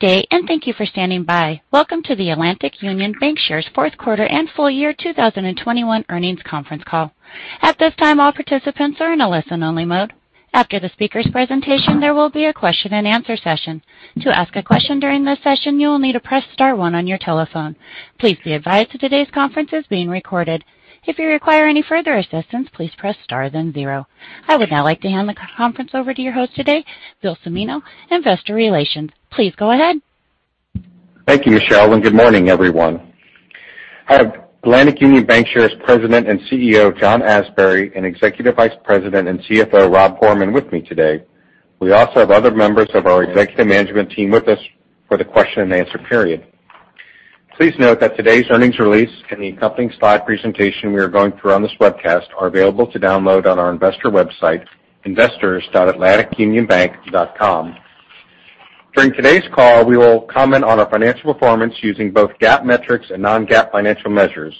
Good day, and thank you for standing by. Welcome to the Atlantic Union Bankshares fourth quarter and full year 2021 earnings conference call. At this time, all participants are in a listen-only mode. After the speaker's presentation, there will be a question-and-answer session. To ask a question during this session, you will need to press star one on your telephone. Please be advised that today's conference is being recorded. If you require any further assistance, please press star, then zero. I would now like to hand the conference over to your host today, Bill Cimino, Investor Relations. Please go ahead. Thank you, Michelle, and good morning, everyone. I have Atlantic Union Bankshares President and CEO, John Asbury, and Executive Vice President and CFO, Rob Gorman, with me today. We also have other members of our executive management team with us for the question-and-answer period. Please note that today's earnings release and the accompanying slide presentation we are going through on this webcast are available to download on our investor website, investors.atlanticunionbank.com. During today's call, we will comment on our financial performance using both GAAP metrics and non-GAAP financial measures.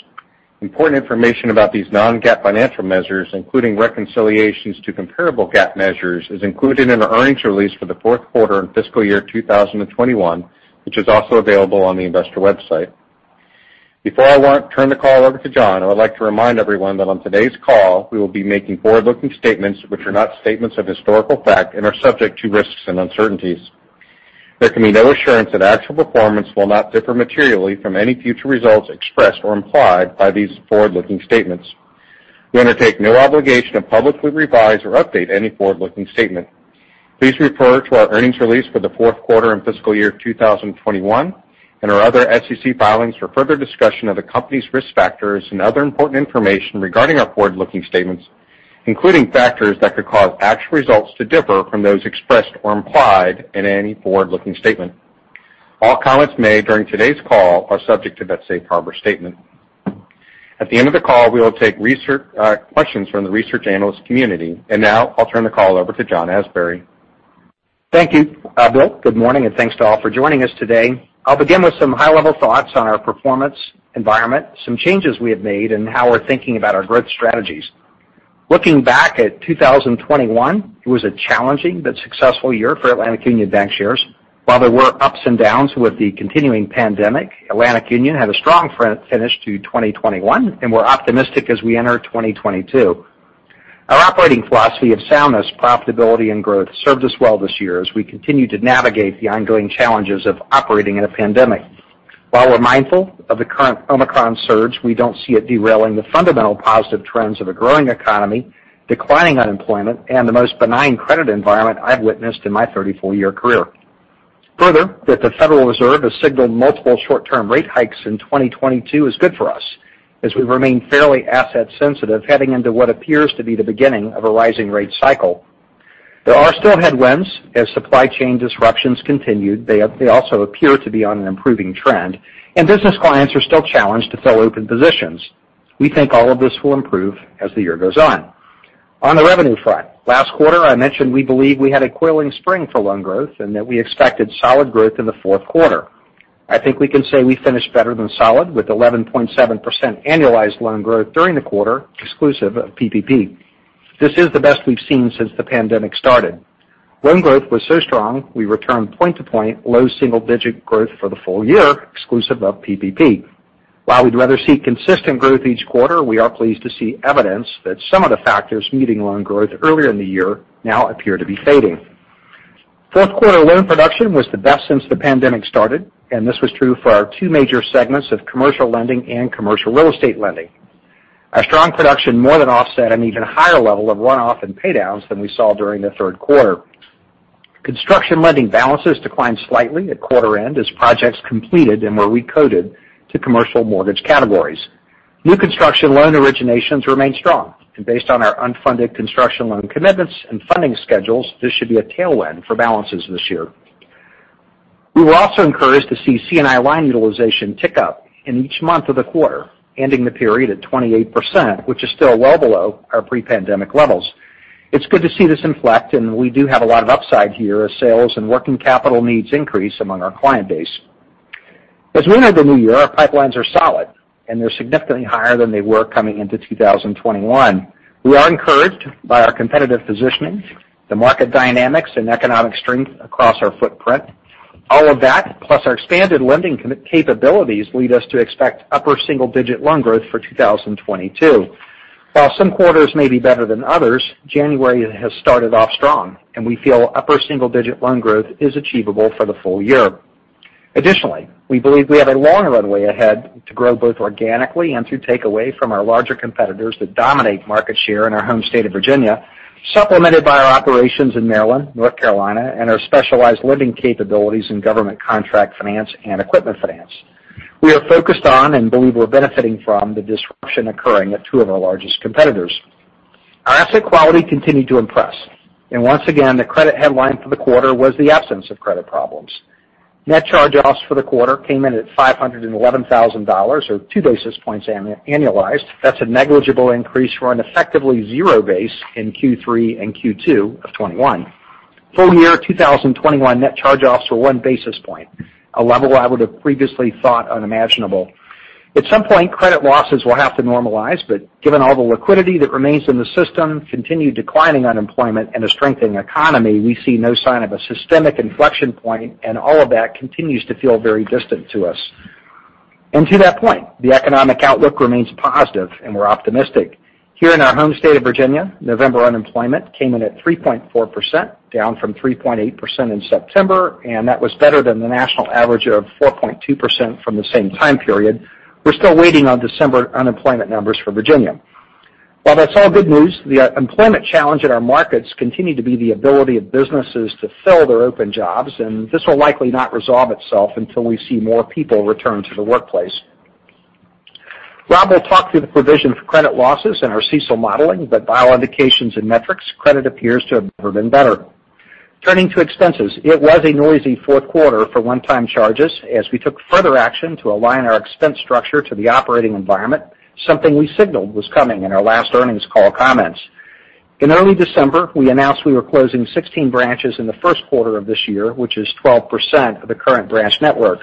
Important information about these non-GAAP financial measures, including reconciliations to comparable GAAP measures, is included in the earnings release for the fourth quarter and fiscal year 2021, which is also available on the investor website. Before I turn the call over to John, I would like to remind everyone that on today's call, we will be making forward-looking statements which are not statements of historical fact and are subject to risks and uncertainties. There can be no assurance that actual performance will not differ materially from any future results expressed or implied by these forward-looking statements. We undertake no obligation to publicly revise or update any forward-looking statement. Please refer to our earnings release for the fourth quarter and fiscal year 2021, and our other SEC filings for further discussion of the company's risk factors and other important information regarding our forward-looking statements, including factors that could cause actual results to differ from those expressed or implied in any forward-looking statement. All comments made during today's call are subject to that safe harbor statement. At the end of the call, we will take research, questions from the research analyst community. Now, I'll turn the call over to John Asbury. Thank you, Bill. Good morning, and thanks to all for joining us today. I'll begin with some high-level thoughts on our performance environment, some changes we have made, and how we're thinking about our growth strategies. Looking back at 2021, it was a challenging but successful year for Atlantic Union Bankshares. While there were ups and downs with the continuing pandemic, Atlantic Union had a strong finish to 2021, and we're optimistic as we enter 2022. Our operating philosophy of soundness, profitability, and growth served us well this year as we continued to navigate the ongoing challenges of operating in a pandemic. While we're mindful of the current Omicron surge, we don't see it derailing the fundamental positive trends of a growing economy, declining unemployment, and the most benign credit environment I've witnessed in my 34-year career. Further, that the Federal Reserve has signaled multiple short-term rate hikes in 2022 is good for us, as we remain fairly asset sensitive heading into what appears to be the beginning of a rising rate cycle. There are still headwinds as supply chain disruptions continued. They also appear to be on an improving trend, and business clients are still challenged to fill open positions. We think all of this will improve as the year goes on. On the revenue front, last quarter, I mentioned we believe we had a coiling spring for loan growth and that we expected solid growth in the fourth quarter. I think we can say we finished better than solid with 11.7% annualized loan growth during the quarter, exclusive of PPP. This is the best we've seen since the pandemic started. Loan growth was so strong, we returned point-to-point low single-digit growth for the full year, exclusive of PPP. While we'd rather see consistent growth each quarter, we are pleased to see evidence that some of the factors muting loan growth earlier in the year now appear to be fading. Fourth quarter loan production was the best since the pandemic started, and this was true for our two major segments of commercial lending and commercial real estate lending. Our strong production more than offset an even higher level of run-off and pay downs than we saw during the third quarter. Construction lending balances declined slightly at quarter-end as projects completed and were recoded to commercial mortgage categories. New construction loan originations remain strong, and based on our unfunded construction loan commitments and funding schedules, this should be a tailwind for balances this year. We were also encouraged to see C&I line utilization tick up in each month of the quarter, ending the period at 28%, which is still well below our pre-pandemic levels. It's good to see this inflect, and we do have a lot of upside here as sales and working capital needs increase among our client base. As we enter the new year, our pipelines are solid and they're significantly higher than they were coming into 2021. We are encouraged by our competitive positioning, the market dynamics and economic strength across our footprint. All of that, plus our expanded lending capabilities, lead us to expect upper single-digit loan growth for 2022. While some quarters may be better than others, January has started off strong, and we feel upper single-digit loan growth is achievable for the full year. Additionally, we believe we have a long runway ahead to grow both organically and through takeaway from our larger competitors that dominate market share in our home state of Virginia, supplemented by our operations in Maryland, North Carolina, and our specialized lending capabilities in government contract finance and equipment finance. We are focused on and believe we're benefiting from the disruption occurring at two of our largest competitors. Our asset quality continued to impress, and once again, the credit headline for the quarter was the absence of credit problems. Net charge-offs for the quarter came in at $511,000, or 2 basis points annualized. That's a negligible increase from an effectively zero base in Q3 and Q2 of 2021. Full year 2021 net charge-offs were one basis point, a level I would have previously thought unimaginable. At some point, credit losses will have to normalize, but given all the liquidity that remains in the system, continued declining unemployment and a strengthening economy, we see no sign of a systemic inflection point, and all of that continues to feel very distant to us. To that point, the economic outlook remains positive, and we're optimistic. Here in our home state of Virginia, November unemployment came in at 3.4%, down from 3.8% in September, and that was better than the national average of 4.2% from the same time period. We're still waiting on December unemployment numbers for Virginia. While that's all good news, the employment challenge in our markets continues to be the ability of businesses to fill their open jobs, and this will likely not resolve itself until we see more people return to the workplace. Rob will talk through the provision for credit losses and our CECL modeling, but by all indications and metrics, credit appears to have never been better. Turning to expenses, it was a noisy fourth quarter for one-time charges as we took further action to align our expense structure to the operating environment, something we signaled was coming in our last earnings call comments. In early December, we announced we were closing 16 branches in the first quarter of this year, which is 12% of the current branch network.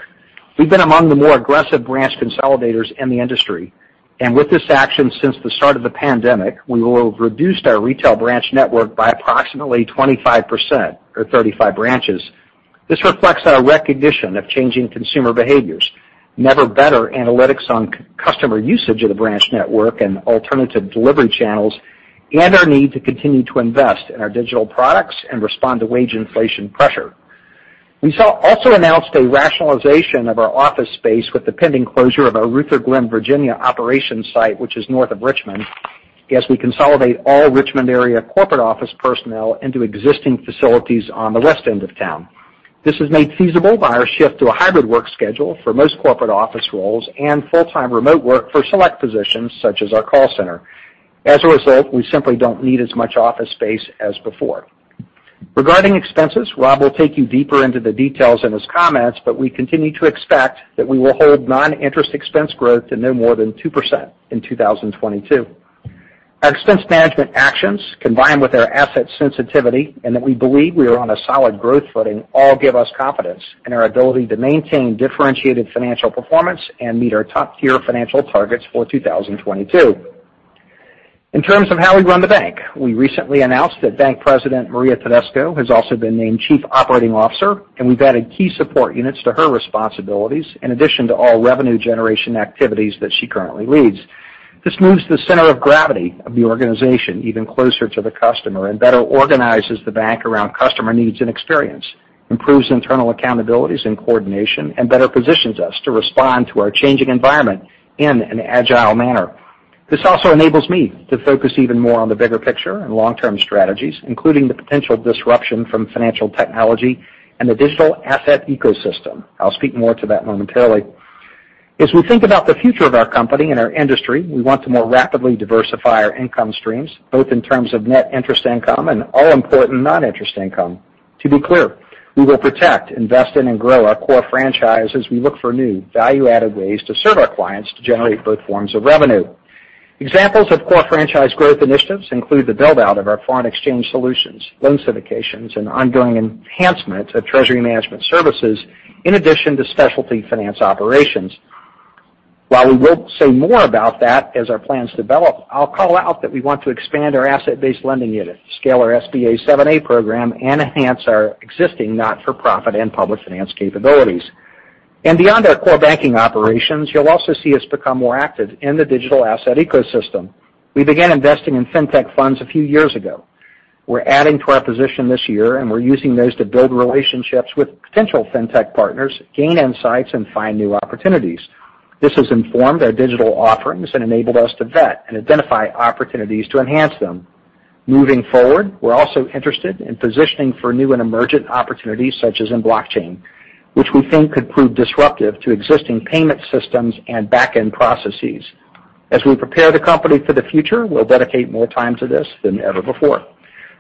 We've been among the more aggressive branch consolidators in the industry. With this action since the start of the pandemic, we will have reduced our retail branch network by approximately 25% or 35 branches. This reflects our recognition of changing consumer behaviors, ever-better analytics on customer usage of the branch network and alternative delivery channels, and our need to continue to invest in our digital products and respond to wage inflation pressure. We also announced a rationalization of our office space with the pending closure of our Ruther Glen, Virginia, operations site, which is north of Richmond, as we consolidate all Richmond area corporate office personnel into existing facilities on the west end of town. This is made feasible by our shift to a hybrid work schedule for most corporate office roles and full-time remote work for select positions such as our call center. As a result, we simply don't need as much office space as before. Regarding expenses, Rob will take you deeper into the details in his comments, but we continue to expect that we will hold non-interest expense growth to no more than 2% in 2022. Our expense management actions, combined with our asset sensitivity and that we believe we are on a solid growth footing, all give us confidence in our ability to maintain differentiated financial performance and meet our top-tier financial targets for 2022. In terms of how we run the bank, we recently announced that Bank President Maria Tedesco has also been named Chief Operating Officer, and we've added key support units to her responsibilities in addition to all revenue generation activities that she currently leads. This moves the center of gravity of the organization even closer to the customer and better organizes the bank around customer needs and experience, improves internal accountabilities and coordination, and better positions us to respond to our changing environment in an agile manner. This also enables me to focus even more on the bigger picture and long-term strategies, including the potential disruption from financial technology and the digital asset ecosystem. I'll speak more to that momentarily. As we think about the future of our company and our industry, we want to more rapidly diversify our income streams, both in terms of net interest income and all-important non-interest income. To be clear, we will protect, invest in, and grow our core franchise as we look for new value-added ways to serve our clients to generate both forms of revenue. Examples of core franchise growth initiatives include the build-out of our foreign exchange solutions, loan certifications, and ongoing enhancement of treasury management services, in addition to specialty finance operations. While we will say more about that as our plans develop, I'll call out that we want to expand our asset-based lending unit, scale our SBA 7(a) program, and enhance our existing not-for-profit and public finance capabilities. Beyond our core banking operations, you'll also see us become more active in the digital asset ecosystem. We began investing in fintech funds a few years ago. We're adding to our position this year, and we're using those to build relationships with potential fintech partners, gain insights, and find new opportunities. This has informed our digital offerings and enabled us to vet and identify opportunities to enhance them. Moving forward, we're also interested in positioning for new and emergent opportunities such as in blockchain, which we think could prove disruptive to existing payment systems and back-end processes. As we prepare the company for the future, we'll dedicate more time to this than ever before.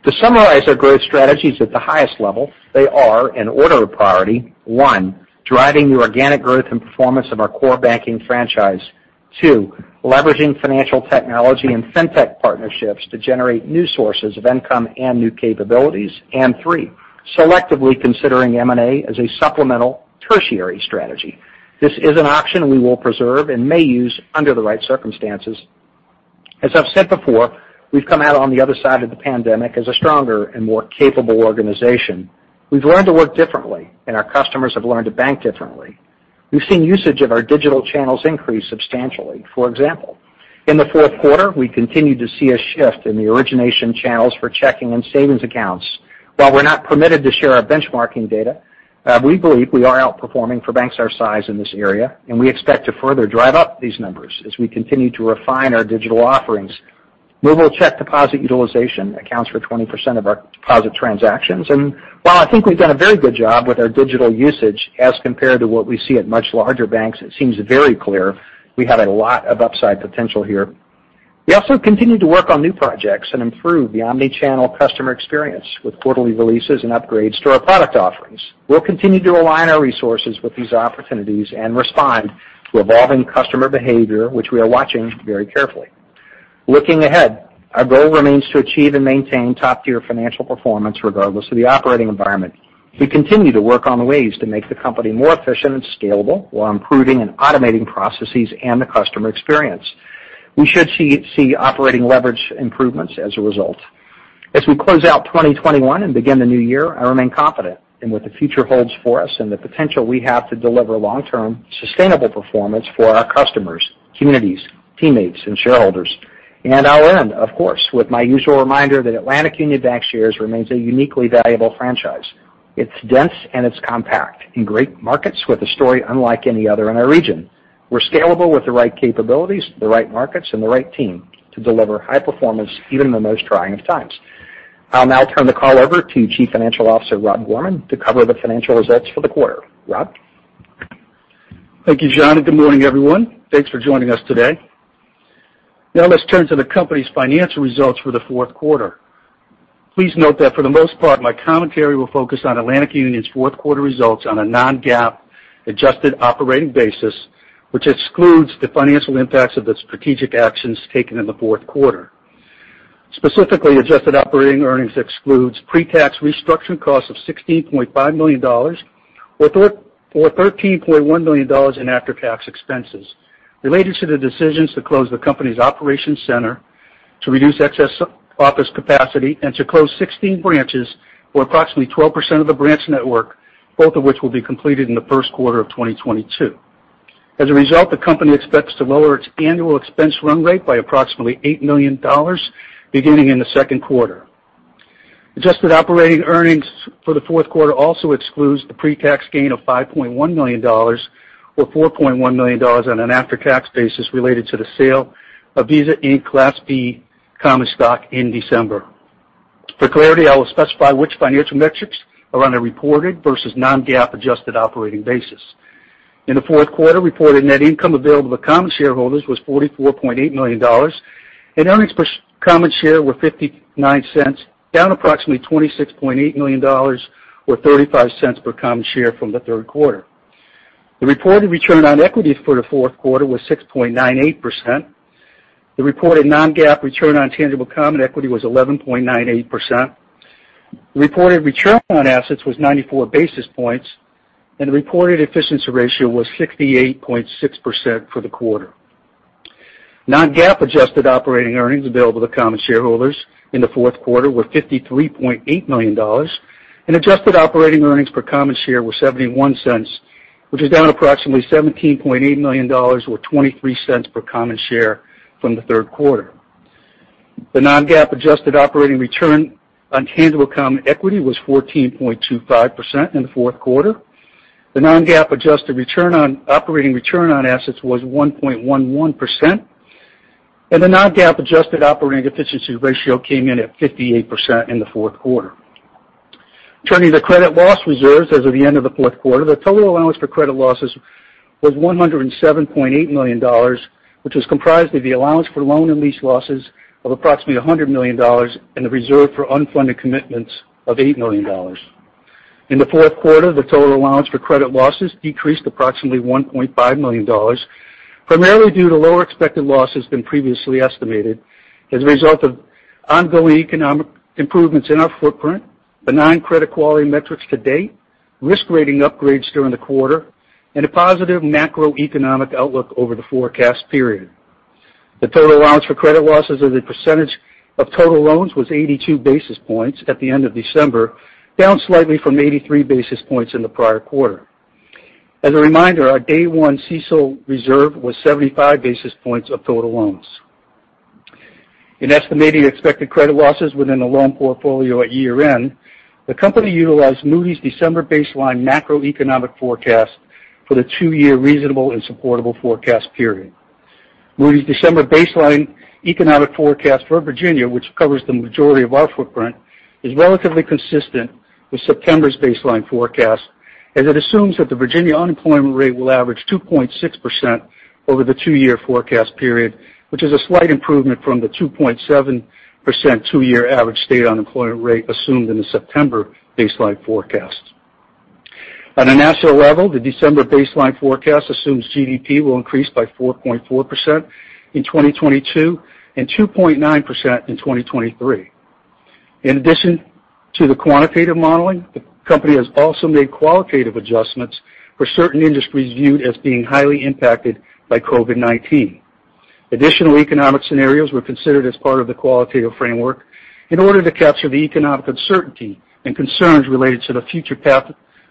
To summarize our growth strategies at the highest level, they are, in order of priority. One, driving the organic growth and performance of our core banking franchise. Two, leveraging financial technology and fintech partnerships to generate new sources of income and new capabilities. Three, selectively considering M&A as a supplemental tertiary strategy. This is an option we will preserve and may use under the right circumstances. As I've said before, we've come out on the other side of the pandemic as a stronger and more capable organization. We've learned to work differently, and our customers have learned to bank differently. We've seen usage of our digital channels increase substantially. For example, in the fourth quarter, we continued to see a shift in the origination channels for checking and savings accounts. While we're not permitted to share our benchmarking data, we believe we are outperforming for banks our size in this area, and we expect to further drive up these numbers as we continue to refine our digital offerings. Mobile check deposit utilization accounts for 20% of our deposit transactions, and while I think we've done a very good job with our digital usage as compared to what we see at much larger banks, it seems very clear we have a lot of upside potential here. We also continue to work on new projects and improve the omni-channel customer experience with quarterly releases and upgrades to our product offerings. We'll continue to align our resources with these opportunities and respond to evolving customer behavior, which we are watching very carefully. Looking ahead, our goal remains to achieve and maintain top-tier financial performance regardless of the operating environment. We continue to work on the ways to make the company more efficient and scalable while improving and automating processes and the customer experience. We should see operating leverage improvements as a result. As we close out 2021 and begin the new year, I remain confident in what the future holds for us and the potential we have to deliver long-term sustainable performance for our customers, communities, teammates, and shareholders. I'll end, of course, with my usual reminder that Atlantic Union Bankshares remains a uniquely valuable franchise. It's dense and it's compact in great markets with a story unlike any other in our region. We're scalable with the right capabilities, the right markets, and the right team to deliver high performance even in the most trying of times. I'll now turn the call over to Chief Financial Officer, Rob Gorman, to cover the financial results for the quarter. Rob? Thank you, John, and good morning, everyone. Thanks for joining us today. Now let's turn to the company's financial results for the fourth quarter. Please note that for the most part, my commentary will focus on Atlantic Union's fourth quarter results on a non-GAAP adjusted operating basis, which excludes the financial impacts of the strategic actions taken in the fourth quarter. Specifically, adjusted operating earnings excludes pre-tax restructuring costs of $16.5 million or thirteen point one million dollars in after-tax expenses related to the decisions to close the company's operations center to reduce excess office capacity and to close 16 branches, or approximately 12% of the branch network, both of which will be completed in the first quarter of 2022. As a result, the company expects to lower its annual expense run rate by approximately $8 million beginning in the second quarter. Adjusted operating earnings for the fourth quarter also excludes the pre-tax gain of $5.1 million, or $4.1 million on an after-tax basis related to the sale of Visa Inc. Class B common stock in December. For clarity, I will specify which financial metrics are on a reported versus non-GAAP adjusted operating basis. In the fourth quarter, reported net income available to common shareholders was $44.8 million, and earnings per common share were $0.59, down approximately $26.8 million, or $0.35 per common share from the third quarter. The reported return on equity for the fourth quarter was 6.98%. The reported non-GAAP return on tangible common equity was 11.98%. The reported return on assets was 94 basis points, and the reported efficiency ratio was 68.6% for the quarter. Non-GAAP adjusted operating earnings available to common shareholders in the fourth quarter were $53.8 million, and adjusted operating earnings per common share were $0.71, which is down approximately $17.8 million, or $0.23 per common share from the third quarter. The non-GAAP adjusted operating return on tangible common equity was 14.25% in the fourth quarter. The non-GAAP adjusted operating return on assets was 1.11%, and the non-GAAP adjusted operating efficiency ratio came in at 58% in the fourth quarter. Turning to credit loss reserves as of the end of the fourth quarter, the total allowance for credit losses was $107.8 million, which was comprised of the allowance for loan and lease losses of approximately $100 million and the reserve for unfunded commitments of $8 million. In the fourth quarter, the total allowance for credit losses decreased approximately $1.5 million, primarily due to lower expected losses than previously estimated as a result of ongoing economic improvements in our footprint, the nine credit quality metrics to date, risk rating upgrades during the quarter, and a positive macroeconomic outlook over the forecast period. The total allowance for credit losses as a percentage of total loans was 82 basis points at the end of December, down slightly from 83 basis points in the prior quarter. As a reminder, our day one CECL reserve was 75 basis points of total loans. In estimating expected credit losses within the loan portfolio at year-end, the company utilized Moody's December baseline macroeconomic forecast for the two-year reasonable and supportable forecast period. Moody's December baseline economic forecast for Virginia, which covers the majority of our footprint, is relatively consistent with September's baseline forecast, as it assumes that the Virginia unemployment rate will average 2.6% over the two-year forecast period, which is a slight improvement from the 2.7% two-year average state unemployment rate assumed in the September baseline forecast. On a national level, the December baseline forecast assumes GDP will increase by 4.4% in 2022 and 2.9% in 2023. In addition to the quantitative modeling, the company has also made qualitative adjustments for certain industries viewed as being highly impacted by COVID-19. Additional economic scenarios were considered as part of the qualitative framework in order to capture the economic uncertainty and concerns related to the future path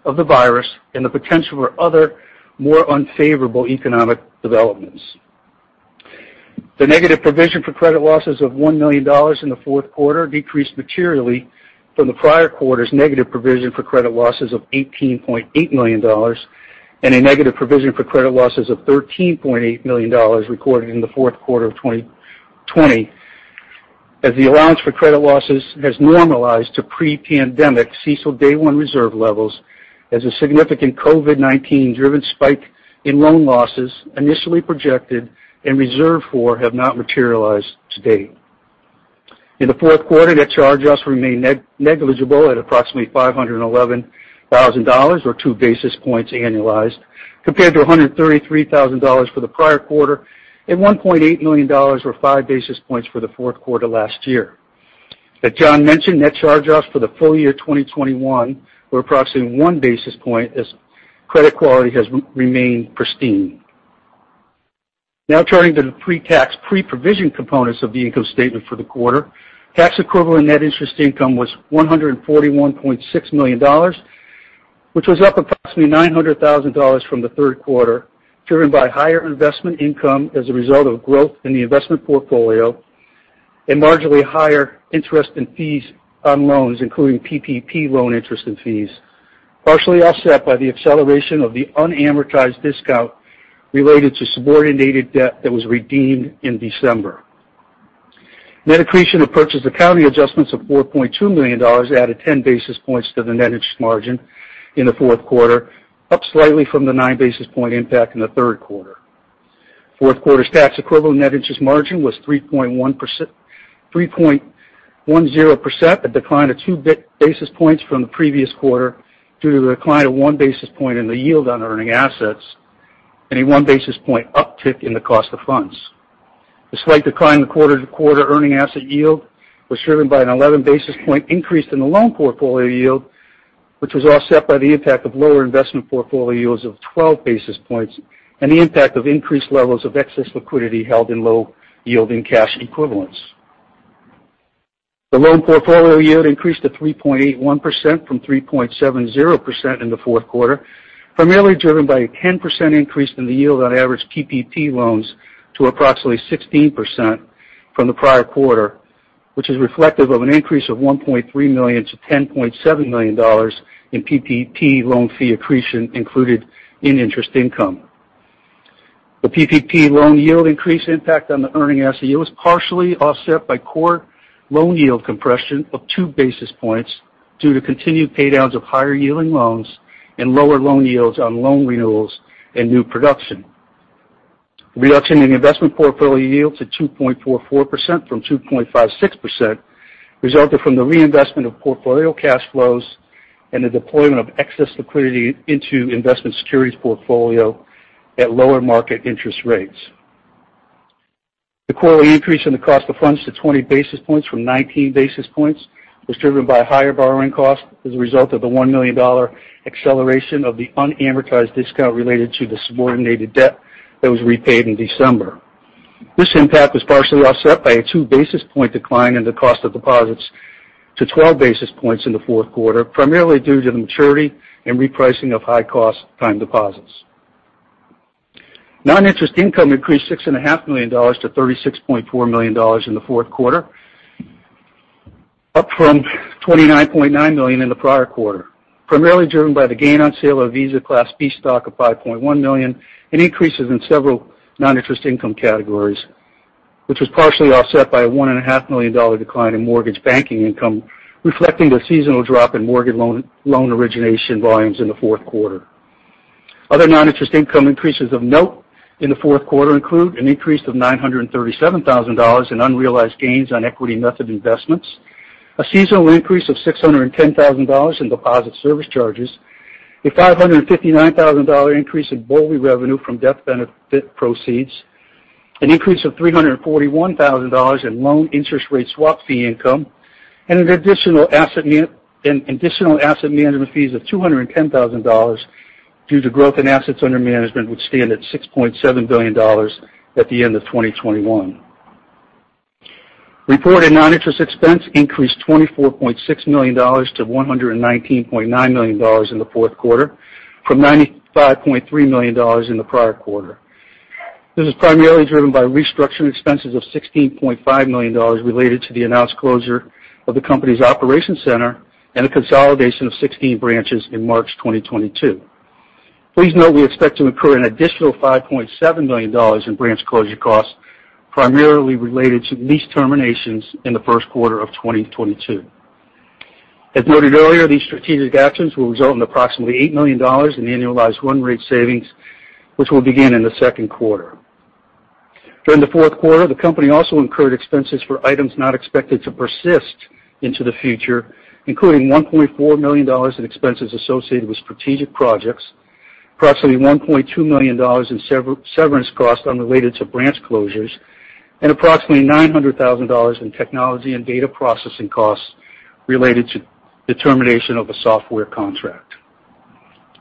of the virus and the potential for other, more unfavorable economic developments. The negative provision for credit losses of $1 million in the fourth quarter decreased materially from the prior quarter's negative provision for credit losses of $18.8 million and a negative provision for credit losses of $13.8 million recorded in the fourth quarter of 2020 as the allowance for credit losses has normalized to pre-pandemic CECL day one reserve levels, as a significant COVID-19 driven spike in loan losses initially projected and reserved for have not materialized to date. In the fourth quarter, net charge-offs remained negligible at approximately $511,000 or 2 basis points annualized compared to $133,000 for the prior quarter at $1.8 million or 5 basis points for the fourth quarter last year. As John mentioned, net charge-offs for the full year 2021 were approximately 1 basis point as credit quality has remained pristine. Now turning to the pre-tax, pre-provision components of the income statement for the quarter. Tax equivalent net interest income was $141.6 million, which was up approximately $900,000 from the third quarter, driven by higher investment income as a result of growth in the investment portfolio and marginally higher interest in fees on loans, including PPP loan interest and fees, partially offset by the acceleration of the unamortized discount related to subordinated debt that was redeemed in December. Net accretion of purchase accounting adjustments of $4.2 million added 10 basis points to the net interest margin in the fourth quarter, up slightly from the 9 basis point impact in the third quarter. Fourth quarter's tax equivalent net interest margin was 3.10%, a decline of 2 basis points from the previous quarter due to the decline of 1 basis point in the yield on earning assets and a 1 basis point uptick in the cost of funds. The slight decline in the quarter-to-quarter earning asset yield was driven by an 11 basis point increase in the loan portfolio yield, which was offset by the impact of lower investment portfolio yields of 12 basis points and the impact of increased levels of excess liquidity held in low yielding cash equivalents. The loan portfolio yield increased to 3.81% from 3.70% in the fourth quarter, primarily driven by a 10% increase in the yield on average PPP loans to approximately 16% from the prior quarter, which is reflective of an increase of $1.3 million-$10.7 million in PPP loan fee accretion included in interest income. The PPP loan yield increase impact on the earning asset yield was partially offset by core loan yield compression of two basis points due to continued pay downs of higher yielding loans and lower loan yields on loan renewals and new production. Reduction in investment portfolio yield to 2.44% from 2.56% resulted from the reinvestment of portfolio cash flows and the deployment of excess liquidity into investment securities portfolio at lower market interest rates. The quarterly increase in the cost of funds to 20 basis points from 19 basis points was driven by higher borrowing costs as a result of the $1 million acceleration of the unamortized discount related to the subordinated debt that was repaid in December. This impact was partially offset by a 2 basis point decline in the cost of deposits to 12 basis points in the fourth quarter, primarily due to the maturity and repricing of high-cost time deposits. Non-interest income increased $6.5 million to $36.4 million in the fourth quarter, up from $29.9 million in the prior quarter, primarily driven by the gain on sale of Visa Class B stock of $5.1 million and increases in several non-interest income categories, which was partially offset by a $1.5 million decline in mortgage banking income, reflecting the seasonal drop in mortgage loan origination volumes in the fourth quarter. Other non-interest income increases of note in the fourth quarter include an increase of $937,000 in unrealized gains on equity method investments, a seasonal increase of $610,000 in deposit service charges, a $559,000 increase in BOLI revenue from death benefit proceeds, an increase of $341,000 in loan interest rate swap fee income, and additional asset management fees of $210,000 due to growth in assets under management, which stand at $6.7 billion at the end of 2021. Reported non-interest expense increased $24.6 million to $119.9 million in the fourth quarter, from $95.3 million in the prior quarter. This is primarily driven by restructuring expenses of $16.5 million related to the announced closure of the company's operations center and a consolidation of 16 branches in March 2022. Please note we expect to incur an additional $5.7 million in branch closure costs, primarily related to lease terminations in the first quarter of 2022. As noted earlier, these strategic actions will result in approximately $8 million in annualized run rate savings, which will begin in the second quarter. During the fourth quarter, the company also incurred expenses for items not expected to persist into the future, including $1.4 million in expenses associated with strategic projects, approximately $1.2 million in severance costs unrelated to branch closures, and approximately $900,000 in technology and data processing costs related to the termination of a software contract.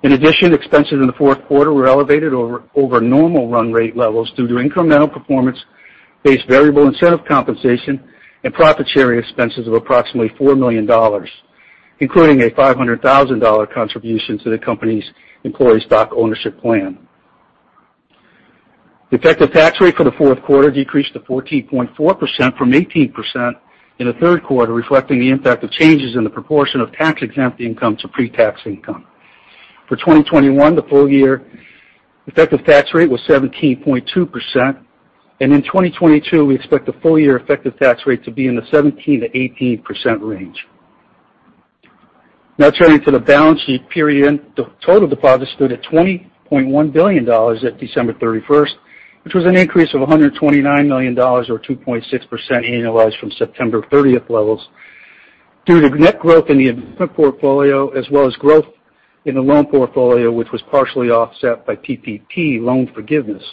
In addition, expenses in the fourth quarter were elevated over normal run rate levels due to incremental performance-based variable incentive compensation and profit sharing expenses of approximately $4 million, including a $500,000 contribution to the company's employee stock ownership plan. The effective tax rate for the fourth quarter decreased to 14.4% from 18% in the third quarter, reflecting the impact of changes in the proportion of tax-exempt income to pre-tax income. For 2021, the full year effective tax rate was 17.2%. In 2022, we expect the full year effective tax rate to be in the 17%-18% range. Now turning to the balance sheet period, the total deposits stood at $20.1 billion at December 31st, which was an increase of $129 million, or 2.6% annualized from September 30th levels due to net growth in the investment portfolio as well as growth in the loan portfolio, which was partially offset by PPP loan forgiveness.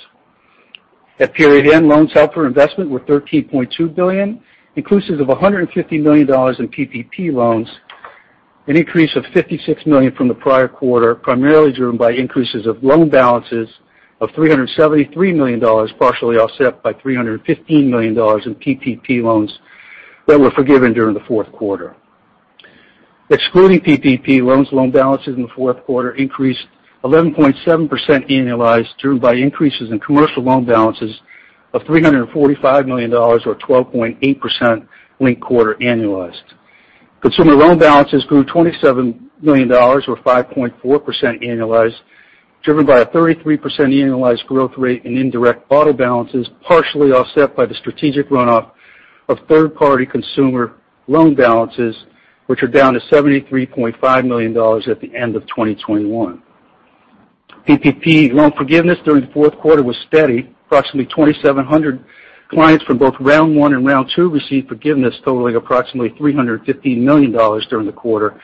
At period end, loans held for investment were $13.2 billion, inclusive of $150 million in PPP loans, an increase of $56 million from the prior quarter, primarily driven by increases of loan balances of $373 million, partially offset by $315 million in PPP loans that were forgiven during the fourth quarter. Excluding PPP loans, loan balances in the fourth quarter increased 11.7% annualized, driven by increases in commercial loan balances of $345 million, or 12.8% linked-quarter annualized. Consumer loan balances grew $27 million, or 5.4% annualized, driven by a 33% annualized growth rate in indirect auto balances, partially offset by the strategic runoff of third-party consumer loan balances, which are down to $73.5 million at the end of 2021. PPP loan forgiveness during the fourth quarter was steady. Approximately 2,700 clients from both round one and round two received forgiveness totaling approximately $315 million during the quarter,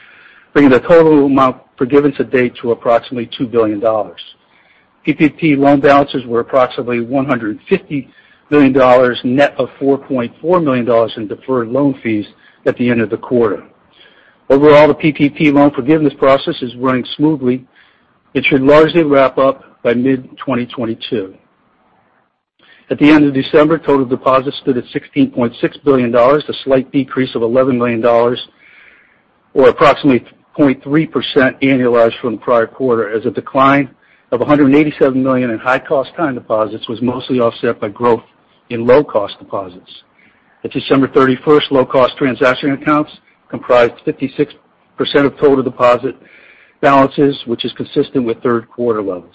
bringing the total amount forgiven to date to approximately $2 billion. PPP loan balances were approximately $150 million, net of $4.4 million in deferred loan fees at the end of the quarter. Overall, the PPP loan forgiveness process is running smoothly. It should largely wrap up by mid-2022. At the end of December, total deposits stood at $16.6 billion, a slight decrease of $11 million, or approximately 0.3% annualized from the prior quarter, as a decline of $187 million in high-cost time deposits was mostly offset by growth in low-cost deposits. At December 31st, low-cost transaction accounts comprised 56% of total deposit balances, which is consistent with third quarter levels.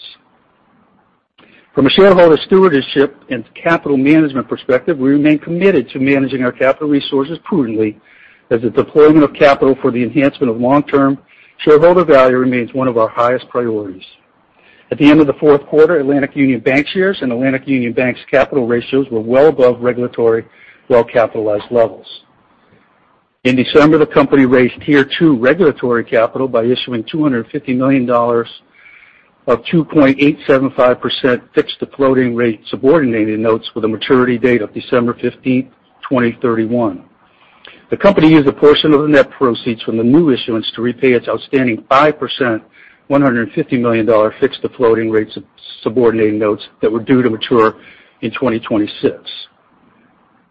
From a shareholder stewardship and capital management perspective, we remain committed to managing our capital resources prudently, as the deployment of capital for the enhancement of long-term shareholder value remains one of our highest priorities. At the end of the fourth quarter, Atlantic Union Bankshares shares and Atlantic Union Bank's capital ratios were well above regulatory well-capitalized levels. In December, the company raised Tier two regulatory capital by issuing $250 million of 2.875% fixed-to-floating-rate subordinated notes with a maturity date of December 15th, 2031. The company used a portion of the net proceeds from the new issuance to repay its outstanding 5%, $150 million fixed-to-floating-rate subordinated notes that were due to mature in 2026.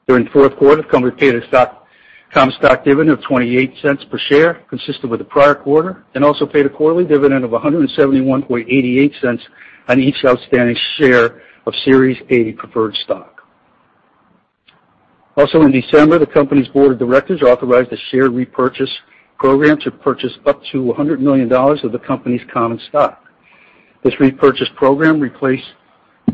During the fourth quarter, the company paid a common stock dividend of $0.28 per share, consistent with the prior quarter, and also paid a quarterly dividend of $1.7188 on each outstanding share of Series A preferred stock. Also in December, the company's board of directors authorized a share repurchase program to purchase up to $100 million of the company's common stock. This repurchase program replaced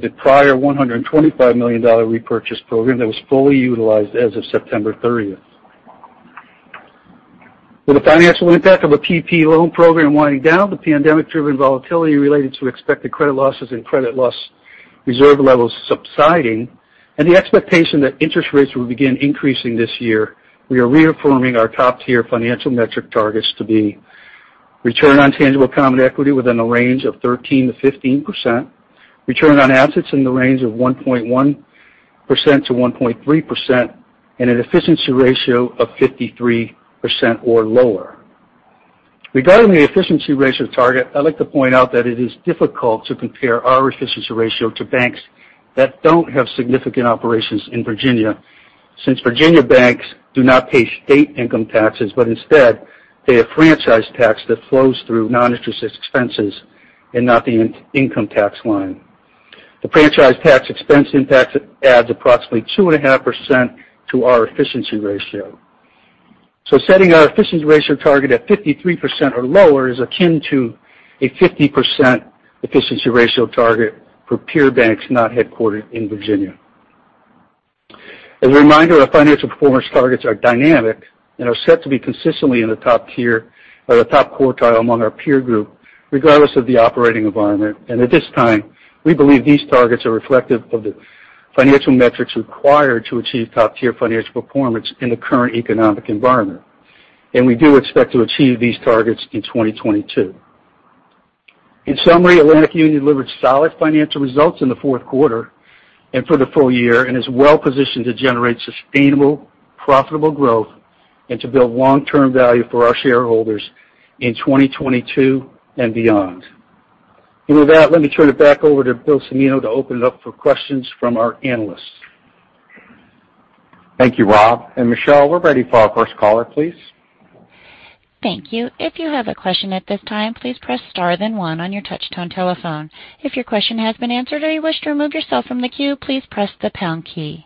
the prior $125 million repurchase program that was fully utilized as of September 30th. With the financial impact of a PPP loan program winding down, the pandemic-driven volatility related to expected credit losses and credit loss reserve levels subsiding, and the expectation that interest rates will begin increasing this year, we are reaffirming our top-tier financial metric targets to be return on tangible common equity within the range of 13%-15%, return on assets in the range of 1.1%-1.3%, and an efficiency ratio of 53% or lower. Regarding the efficiency ratio target, I'd like to point out that it is difficult to compare our efficiency ratio to banks that don't have significant operations in Virginia, since Virginia banks do not pay state income taxes, but instead pay a franchise tax that flows through non-interest expenses and not the in-income tax line. The franchise tax expense impact adds approximately 2.5% to our efficiency ratio. Setting our efficiency ratio target at 53% or lower is akin to a 50% efficiency ratio target for peer banks not headquartered in Virginia. As a reminder, our financial performance targets are dynamic and are set to be consistently in the top tier or the top quartile among our peer group, regardless of the operating environment. At this time, we believe these targets are reflective of the financial metrics required to achieve top-tier financial performance in the current economic environment. We do expect to achieve these targets in 2022. In summary, Atlantic Union delivered solid financial results in the fourth quarter and for the full year and is well positioned to generate sustainable, profitable growth and to build long-term value for our shareholders in 2022 and beyond. With that, let me turn it back over to Bill Cimino to open it up for questions from our analysts. Thank you, Rob. Michelle, we're ready for our first caller, please. Thank you. If you have a question at this time, please press star then one on your touch-tone telephone. If your question has been answered or you wish to remove yourself from the queue, please press the pound key.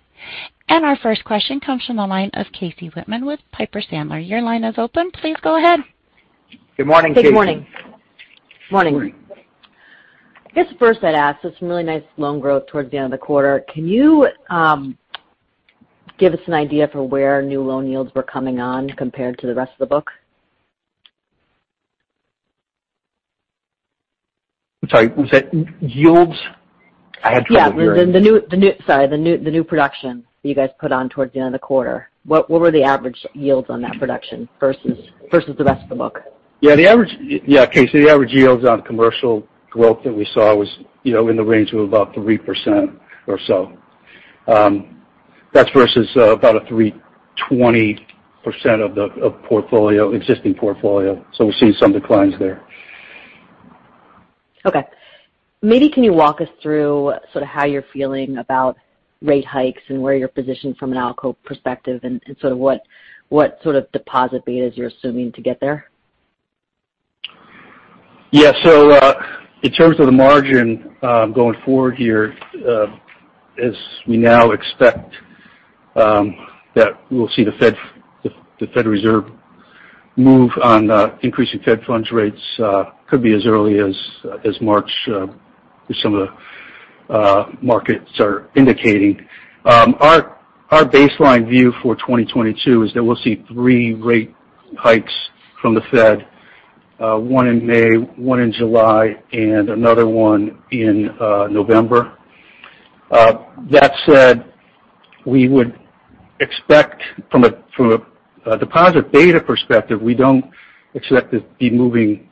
Our first question comes from the line of Casey Whitman with Piper Sandler. Your line is open. Please go ahead. Good morning, Casey. Good morning. Morning. I guess first I'd ask, so some really nice loan growth towards the end of the quarter. Can you, give us an idea for where new loan yields were coming on compared to the rest of the book? I'm sorry. Was that yields? I had trouble hearing. Yeah. Sorry, the new production that you guys put on towards the end of the quarter, what were the average yields on that production versus the rest of the book? Yeah, Casey, the average yields on commercial growth that we saw was, you know, in the range of about 3% or so. That's versus about 3.20% of the portfolio, existing portfolio. We're seeing some declines there. Okay. Maybe can you walk us through sort of how you're feeling about rate hikes and where you're positioned from an ALCO perspective and sort of what sort of deposit betas you're assuming to get there? Yeah. In terms of the margin, going forward here, as we now expect that we'll see the Fed, the Federal Reserve move on increasing fed funds rates, could be as early as March, as some of the markets are indicating. Our baseline view for 2022 is that we'll see three rate hikes from the Fed, one in May, one in July, and another one in November. That said, we would expect from a deposit beta perspective, we don't expect to be moving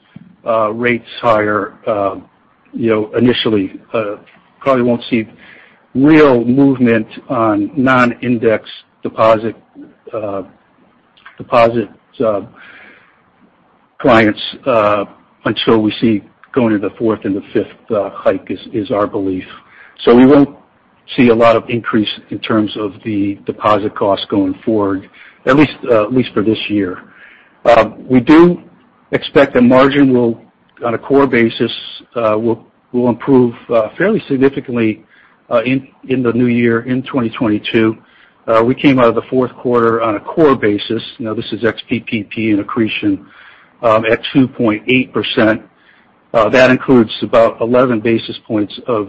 rates higher, you know, initially. Probably won't see real movement on non-indexed deposit clients until we see going into the fourth and the fifth hike is our belief. We won't see a lot of increase in terms of the deposit costs going forward, at least for this year. We do expect the margin will, on a core basis, will improve fairly significantly in the new year in 2022. We came out of the fourth quarter on a core basis. Now, this is ex PPP and accretion at 2.8%. That includes about 11 basis points of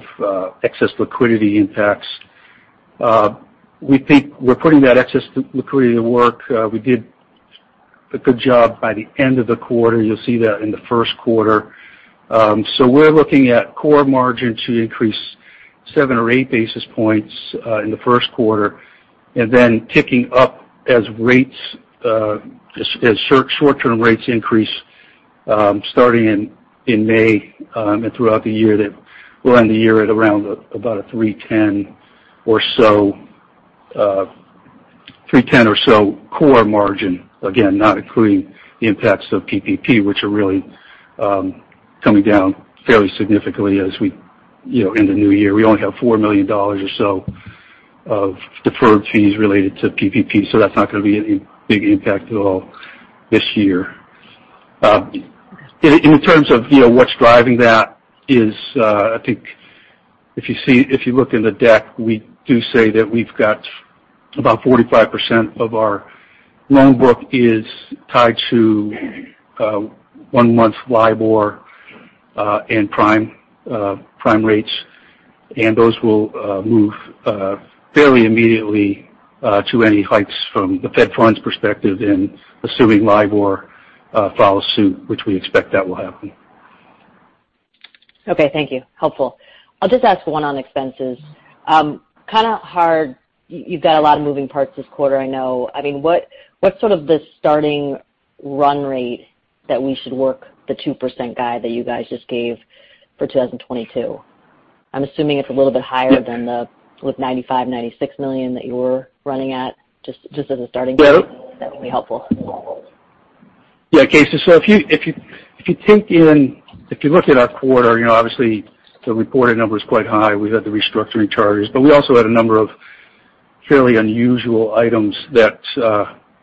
excess liquidity impacts. We think we're putting that excess liquidity to work. We did a good job by the end of the quarter. You'll see that in the first quarter. We're looking at core margin to increase 7 basis points or 8 basis points in the first quarter. Then ticking up as short-term rates increase, starting in May and throughout the year that we'll end the year at around 3.10% or so core margin, again, not including the impacts of PPP, which are really coming down fairly significantly as we, you know, enter the new year. We only have $4 million or so of deferred fees related to PPP. So that's not gonna be any big impact at all this year. In terms of, you know, what's driving that is, I think if you look in the deck, we do say that we've got about 45% of our loan book is tied to one-month LIBOR and prime rates. Those will move fairly immediately to any hikes from the Fed funds perspective and assuming LIBOR follows suit, which we expect that will happen. Okay. Thank you. Helpful. I'll just ask one on expenses. Kind of hard. You've got a lot of moving parts this quarter, I know. I mean, what's sort of the starting run rate that we should work the 2% guide that you guys just gave for 2022? I'm assuming it's a little bit higher than the $95 million-$96 million that you were running at just as a starting point. Yeah. That would be helpful. Yeah, Casey. If you look at our quarter, you know, obviously the reported number is quite high. We had the restructuring charges, but we also had a number of fairly unusual items that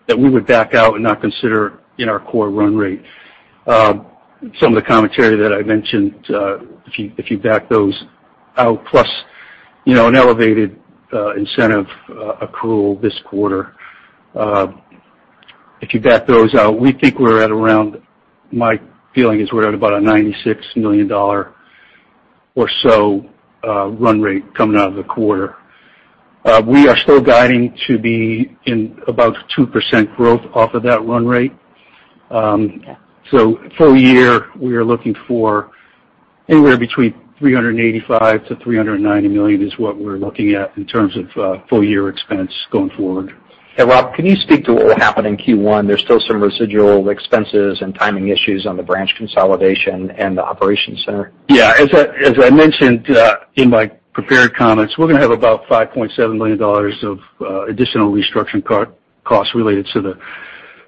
we would back out and not consider in our core run rate. Some of the commentary that I mentioned, if you back those out plus, you know, an elevated incentive accrual this quarter, if you back those out, we think we're at around, my feeling is we're at about a $96 million or so run rate coming out of the quarter. We are still guiding to be in about 2% growth off of that run rate. Full year, we are looking for anywhere between $385 million-$390 million is what we're looking at in terms of full year expense going forward. Hey, Rob, can you speak to what will happen in Q1? There's still some residual expenses and timing issues on the branch consolidation and the operations center. Yeah. As I mentioned in my prepared comments, we're gonna have about $5.7 million of additional restructuring costs related to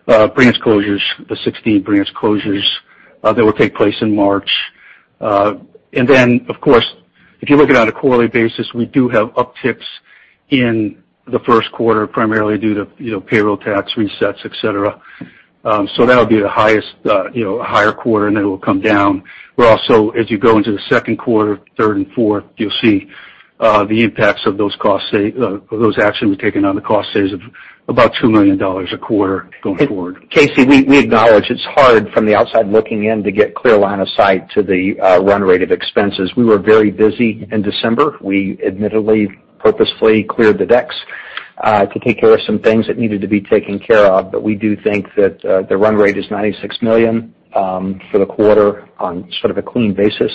the branch closures, the 16 branch closures that will take place in March. Then, of course, if you look at it on a quarterly basis, we do have upticks in the first quarter, primarily due to you know, payroll tax resets, et cetera. So that would be the highest, you know, a higher quarter, and then it will come down. We're also, as you go into the second quarter, third and fourth, you'll see the impacts of those actions we've taken on the cost savings of about $2 million a quarter going forward. Casey, we acknowledge it's hard from the outside looking in to get clear line of sight to the run rate of expenses. We were very busy in December. We admittedly, purposefully cleared the decks to take care of some things that needed to be taken care of. We do think that the run rate is $96 million for the quarter on sort of a clean basis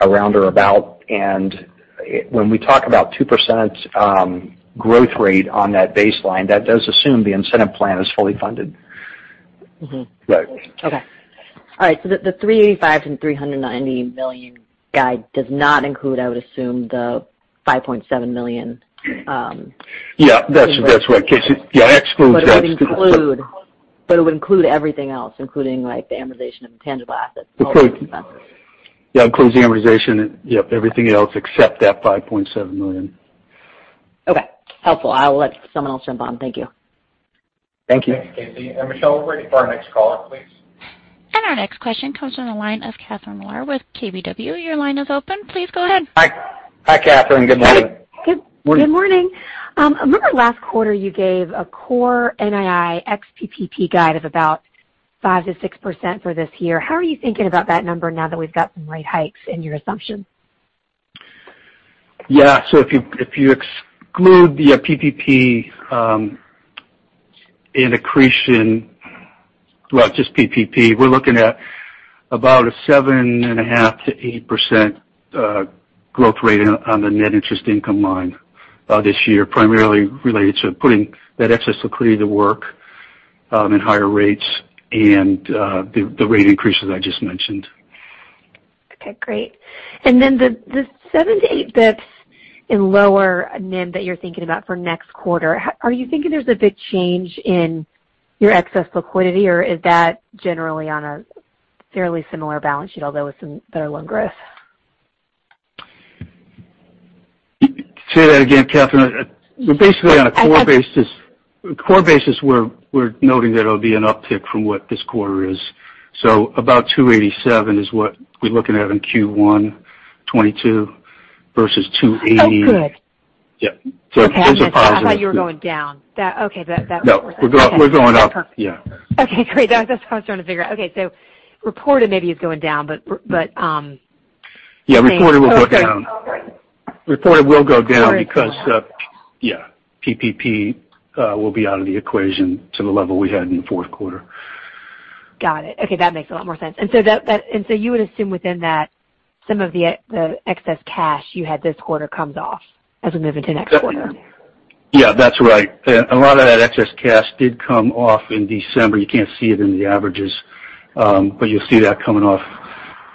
around or about. When we talk about 2% growth rate on that baseline, that does assume the incentive plan is fully funded. Mm-hmm. Right. The $385 million-$390 million guide does not include, I would assume, the $5.7 million. Yeah, that's right, Casey. Yeah, excludes that. It would include everything else, including like the amortization of tangible assets. It could. Yeah, includes the amortization and, yep, everything else except that $5.7 million. Okay. Helpful. I'll let someone else jump on. Thank you. Thank you. Thanks, Casey. Michelle, we're ready for our next caller, please. Our next question comes from the line of Catherine Mealor with KBW. Your line is open. Please go ahead. Hi. Hi, Catherine. Good morning. Good morning. I remember last quarter you gave a core NII ex PPP guide of about 5%-6% for this year. How are you thinking about that number now that we've got some rate hikes in your assumption? Yeah. If you exclude the PPP and accretion, well, just PPP, we're looking at about a 7.5%-8% growth rate on the net interest income line this year, primarily related to putting that excess liquidity to work in higher rates and the rate increases I just mentioned. Okay, great. Then the 7 basis points-8 basis points in lower NIM that you're thinking about for next quarter, are you thinking there's a big change in your excess liquidity, or is that generally on a fairly similar balance sheet, although with some better loan growth? Say that again, Catherine. We're basically on a core basis. Core basis, we're noting that it'll be an uptick from what this quarter is. About $287 is what we're looking at in Q1 2022 versus $280- Oh, good. Yeah. It's a positive. I thought you were going down. That, okay. That No, we're going up. Yeah. Okay, great. That's what I was trying to figure out. Okay. Reported maybe is going down. But. Yeah, reported will go down because, yeah, PPP will be out of the equation to the level we had in the fourth quarter. Got it. Okay, that makes a lot more sense. You would assume within that some of the excess cash you had this quarter comes off as we move into next quarter. Yeah, that's right. A lot of that excess cash did come off in December. You can't see it in the averages, but you'll see that coming off,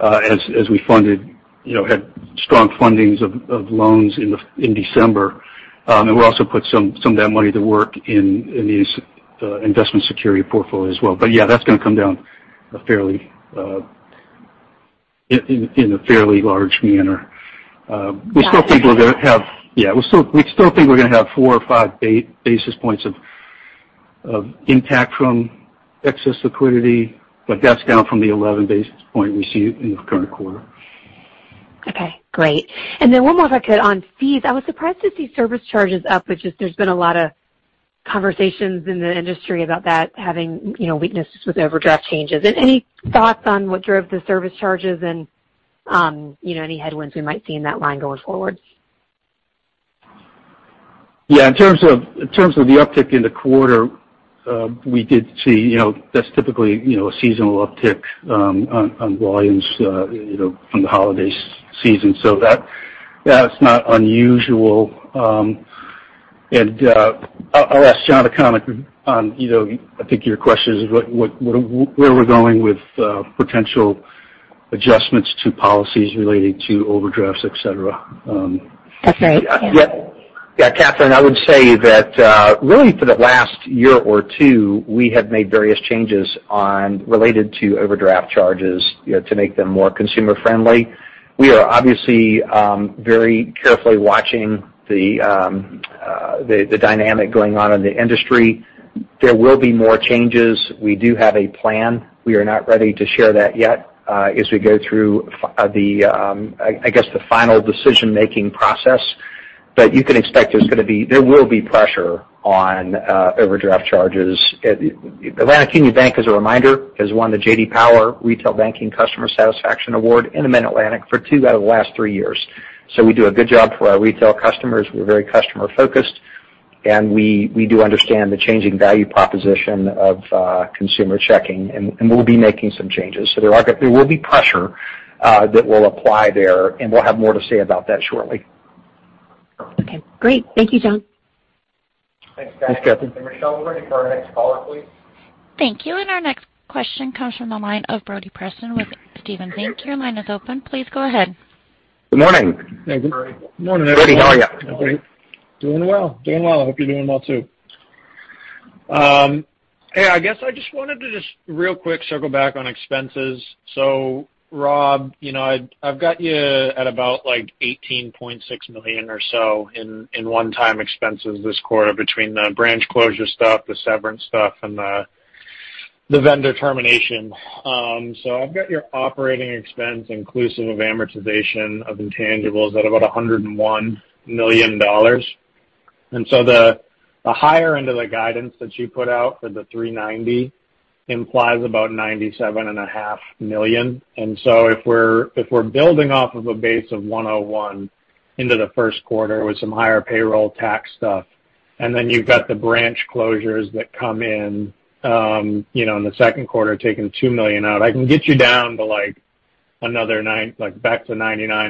as we had strong fundings of loans in December. We also put some of that money to work in the investment security portfolio as well. Yeah, that's gonna come down in a fairly large manner. We still think we're gonna have four or five basis points of impact from excess liquidity, but that's down from the 11 basis points we see in the current quarter. Okay, great. One more if I could on fees. I was surprised to see service charges up, which is there's been a lot of conversations in the industry about that having, you know, weaknesses with overdraft changes. Any thoughts on what drove the service charges and, you know, any headwinds we might see in that line going forward? Yeah. In terms of the uptick in the quarter, we did see, you know, that's typically, you know, a seasonal uptick on volumes, you know, from the holiday season. That, that's not unusual. I'll ask John to comment on, you know, I think your question is what where we're going with potential adjustments to policies relating to overdrafts, et cetera. That's right. Yeah. Yeah. Kathryn, I would say that really for the last year or two, we have made various changes related to overdraft charges, you know, to make them more consumer friendly. We are obviously very carefully watching the dynamic going on in the industry. There will be more changes. We do have a plan. We are not ready to share that yet as we go through the final decision-making process. You can expect there will be pressure on overdraft charges. Atlantic Union Bank, as a reminder, has won the J.D. Power Retail Banking Customer Satisfaction Award in the Mid-Atlantic for two out of the last three years. We do a good job for our retail customers. We're very customer-focused, and we do understand the changing value proposition of consumer checking, and we'll be making some changes. There will be pressure that we'll apply there, and we'll have more to say about that shortly. Okay, great. Thank you, John. Thanks, Catherine. Michelle, we're ready for our next caller, please. Thank you. Our next question comes from the line of Brody Preston with Stephens Inc. Your line is open. Please go ahead. Good morning. Morning. Brody, how are you? Great. Doing well. I hope you're doing well too. Hey, I guess I just wanted to just real quick circle back on expenses. Rob, you know, I've got you at about like $18.6 million or so in one-time expenses this quarter between the branch closure stuff, the severance stuff, and the The vendor termination. I've got your operating expense inclusive of amortization of intangibles at about $101 million. The higher end of the guidance that you put out for the 390 implies about $97.5 million. If we're building off of a base of $101 million into the first quarter with some higher payroll tax stuff, and then you've got the branch closures that come in, you know, in the second quarter, taking $2 million out, I can get you down to, like, back to $99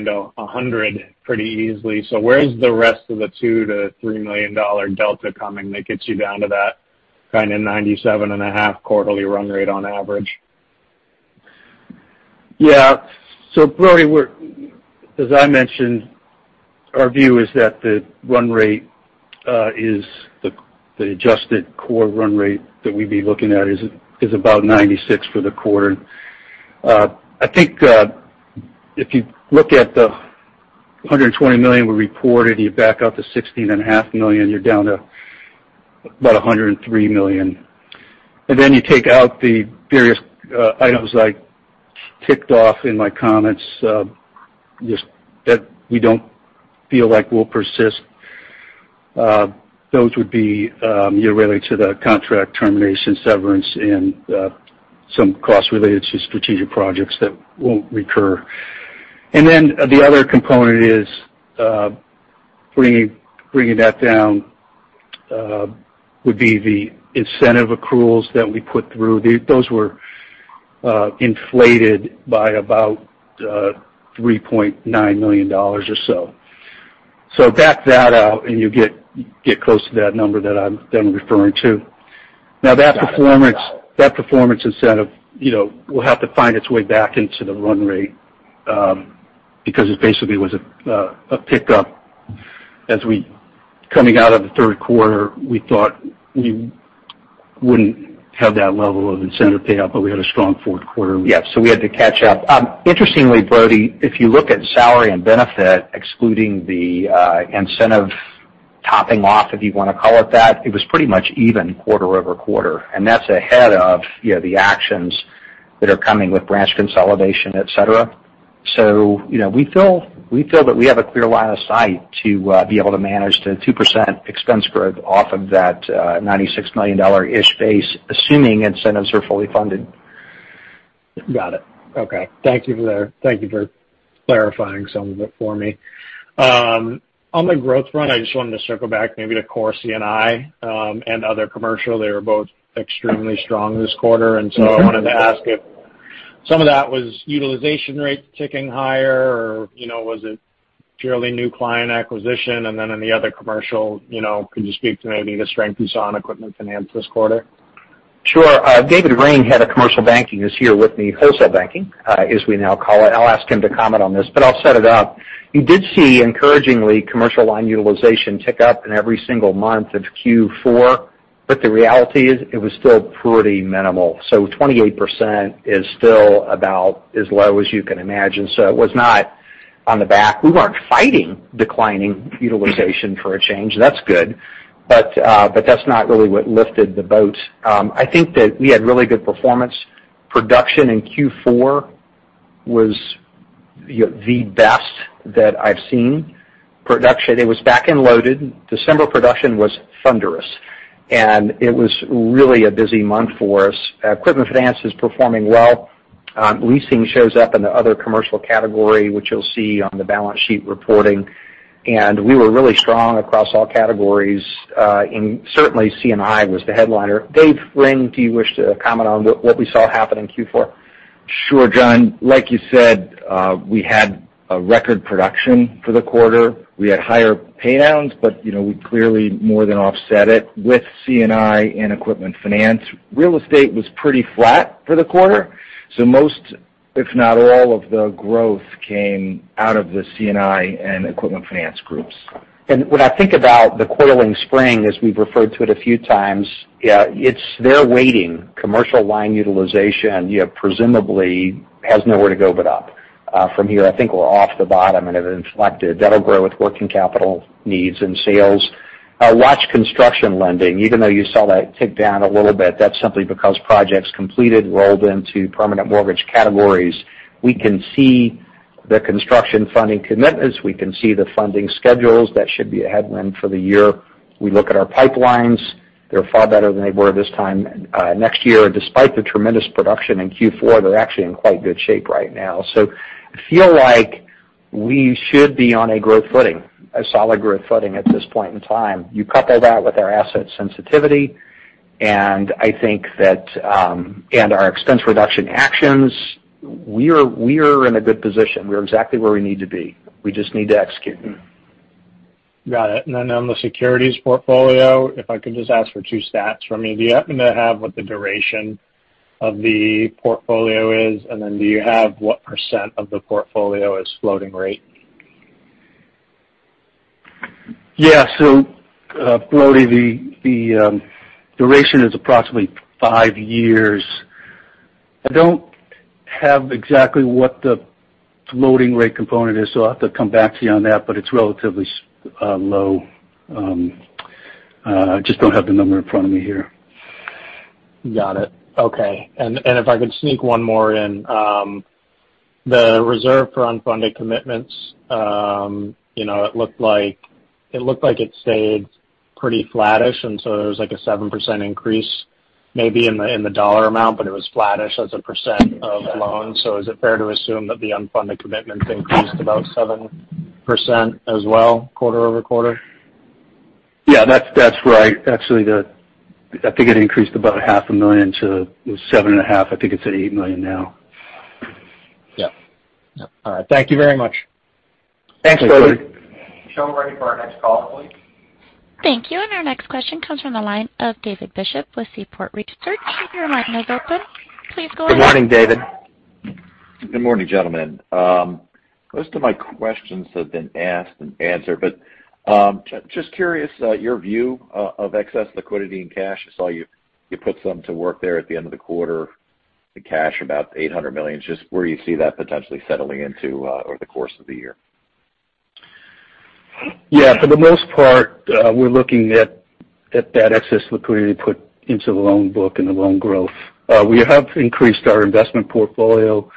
million-$100 million pretty easily. Where's the rest of the $2 million-$3 million delta coming that gets you down to that kind of $97.5 million quarterly run rate on average? Yeah. Brody, As I mentioned, our view is that the run rate is the adjusted core run rate that we'd be looking at is about 96 for the quarter. I think if you look at the $120 million we reported, and you back out the $16.5 million, you're down to about a $103 million. You take out the various items I ticked off in my comments just that we don't feel like will persist. Those would be related to the contract termination severance and some costs related to strategic projects that won't recur. The other component is bringing that down would be the incentive accruals that we put through. Those were inflated by about $3.9 million or so. Back that out, and you get close to that number that I'm then referring to. Now that performance incentive, you know, will have to find its way back into the run rate, because it basically was a pickup. Coming out of the third quarter, we thought we wouldn't have that level of incentive payout, but we had a strong fourth quarter. Yeah. We had to catch up. Interestingly, Brodie, if you look at salary and benefit, excluding the incentive topping off, if you wanna call it that, it was pretty much even quarter-over-quarter. That's ahead of, you know, the actions that are coming with branch consolidation, et cetera. You know, we feel that we have a clear line of sight to be able to manage to 2% expense growth off of that $96 million-ish base, assuming incentives are fully funded. Got it. Okay. Thank you for that. Thank you for clarifying some of it for me. On the growth front, I just wanted to circle back maybe to core C&I and other commercial. They were both extremely strong this quarter. I wanted to ask if some of that was utilization rate ticking higher or, you know, was it purely new client acquisition? In the other commercial, you know, could you speak to maybe the strength you saw on equipment finance this quarter? Sure. David Ring, head of commercial banking, is here with me, wholesale banking, as we now call it. I'll ask him to comment on this, but I'll set it up. You did see, encouragingly, commercial line utilization tick up in every single month of Q4, but the reality is it was still pretty minimal. 28% is still about as low as you can imagine. It was not on the back. We weren't fighting declining utilization for a change. That's good, but that's not really what lifted the boat. I think that we had really good performance. Production in Q4 was the best that I've seen. Production, it was back-end loaded. December production was thunderous, and it was really a busy month for us. Equipment finance is performing well. Leasing shows up in the other commercial category, which you'll see on the balance sheet reporting. We were really strong across all categories. Certainly C&I was the headliner. David Ring, do you wish to comment on what we saw happen in Q4? Sure, John. Like you said, we had a record production for the quarter. We had higher paydowns, but you know, we clearly more than offset it with C&I and equipment finance. Real estate was pretty flat for the quarter, so most, if not all of the growth came out of the C&I and equipment finance groups. When I think about the coiling spring, as we've referred to it a few times, it's, they're waiting. Commercial line utilization, you know, presumably has nowhere to go but up from here. I think we're off the bottom and have inflected. That'll grow with working capital needs and sales. Watch construction lending. Even though you saw that tick down a little bit, that's simply because projects completed rolled into permanent mortgage categories. We can see the construction funding commitments. We can see the funding schedules. That should be a headwind for the year. We look at our pipelines. They're far better than they were this time next year. Despite the tremendous production in Q4, they're actually in quite good shape right now. I feel like we should be on a growth footing, a solid growth footing at this point in time. You couple that with our asset sensitivity, and I think that, and our expense reduction actions, we're in a good position. We're exactly where we need to be. We just need to execute. Got it. On the securities portfolio, if I could just ask for two stats from you. Do you happen to have what the duration of the portfolio is? Do you have what % of the portfolio is floating rate? Yeah. Brody, the duration is approximately five years. I don't have exactly what the loading rate component is, so I'll have to come back to you on that, but it's relatively low. I just don't have the number in front of me here. Got it. Okay. If I could sneak one more in. The reserve for unfunded commitments, you know, it looked like it stayed pretty flatish, and so there was like a 7% increase maybe in the dollar amount, but it was flatish as a percent of loans. Is it fair to assume that the unfunded commitments increased about 7% as well quarter-over-quarter? Yeah. That's right. Actually, I think it increased about $0.5 million to $7.5 million. I think it's at $8 million now. Yeah. Yeah. All right. Thank you very much. Thanks, Brody. Michelle, we're ready for our next caller, please. Thank you. Our next question comes from the line of David Bishop with Seaport Research. Your line is open. Please go ahead. Good morning, David. Good morning, gentlemen. Most of my questions have been asked and answered. Just curious, your view of excess liquidity and cash. I saw you put some to work there at the end of the quarter, the cash about $800 million. Just where you see that potentially settling into, over the course of the year. Yeah. For the most part, we're looking at that excess liquidity put into the loan book and the loan growth. We have increased our investment portfolio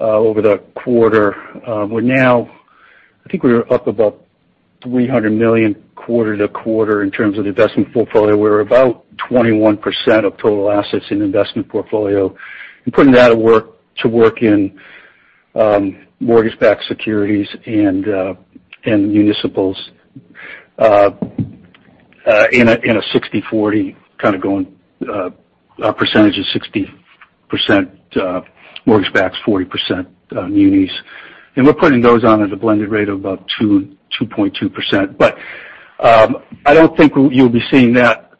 over the quarter. I think we were up about $300 million quarter-over-quarter in terms of investment portfolio. We're about 21% of total assets in investment portfolio and putting that at work in mortgage-backed securities and municipals in a 60-40 kind of a percentage of 60% mortgage backs, 40% munis. We're putting those on at a blended rate of about 2.2%. I don't think you'll be seeing that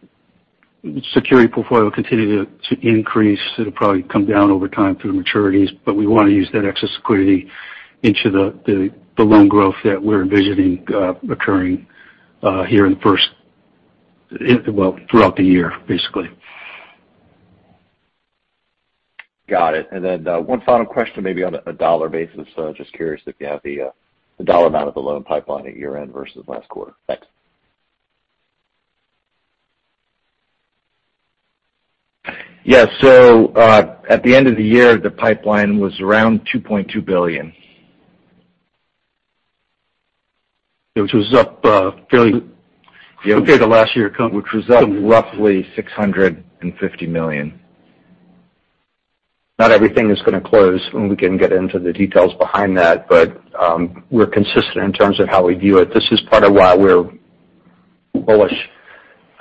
security portfolio continue to increase. It'll probably come down over time through maturities, but we wanna use that excess liquidity into the loan growth that we're envisioning occurring well throughout the year, basically. Got it. One final question, maybe on a dollar basis. Just curious if you have the dollar amount of the loan pipeline at year-end versus last quarter. Thanks. Yeah, at the end of the year, the pipeline was around $2.2 billion, which was up fairly compared to last year co- Which was up roughly $650 million. Not everything is gonna close, and we can get into the details behind that, but we're consistent in terms of how we view it. This is part of why we're bullish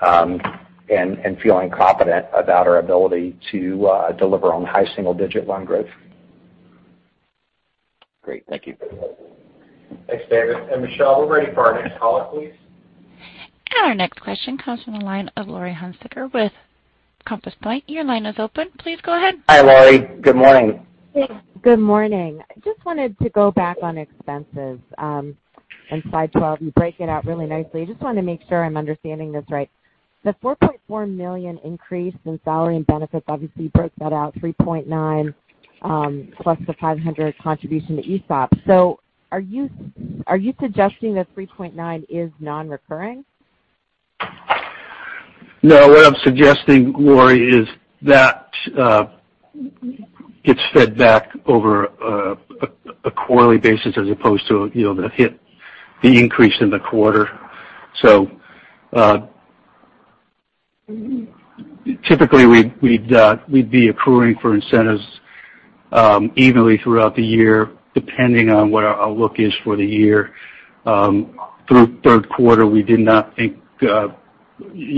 and feeling confident about our ability to deliver on high single-digit loan growth. Great. Thank you. Thanks, David. Michelle, we're ready for our next caller, please. Our next question comes from the line of Laurie Hunsicker with Compass Point. Your line is open. Please go ahead. Hi, Laurie. Good morning. Hey. Good morning. Just wanted to go back on expenses. On slide 12, you break it out really nicely. Just wanna make sure I'm understanding this right. The $4.4 million increase in salary and benefits, obviously you broke that out $3.9 million, plus the $500,000 contribution to ESOP. Are you suggesting the $3.9 million is non-recurring? No. What I'm suggesting, Laurie, is that gets fed back over a quarterly basis as opposed to, you know, the hit, the increase in the quarter. So, typically, we'd be accruing for incentives evenly throughout the year, depending on what our look is for the year. Through third quarter, we did not think, you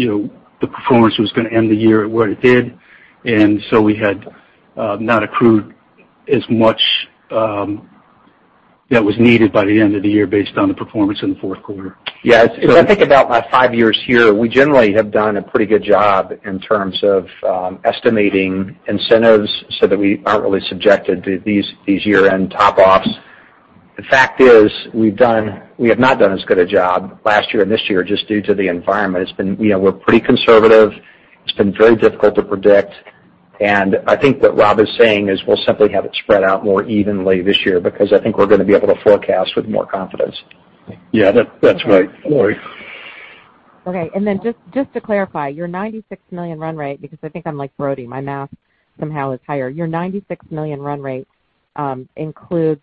know, the performance was gonna end the year at what it did. We had not accrued as much that was needed by the end of the year based on the performance in the fourth quarter. Yeah. If I think about my five years here, we generally have done a pretty good job in terms of estimating incentives so that we aren't really subjected to these year-end top offs. The fact is, we have not done as good a job last year and this year just due to the environment. It's been very difficult to predict, you know. We're pretty conservative. I think what Rob is saying is we'll simply have it spread out more evenly this year because I think we're gonna be able to forecast with more confidence. Yeah. That's right, Laurie. Okay. Just to clarify, your $96 million run rate, because I think I'm like Brodie, my math somehow is higher. Your $96 million run rate includes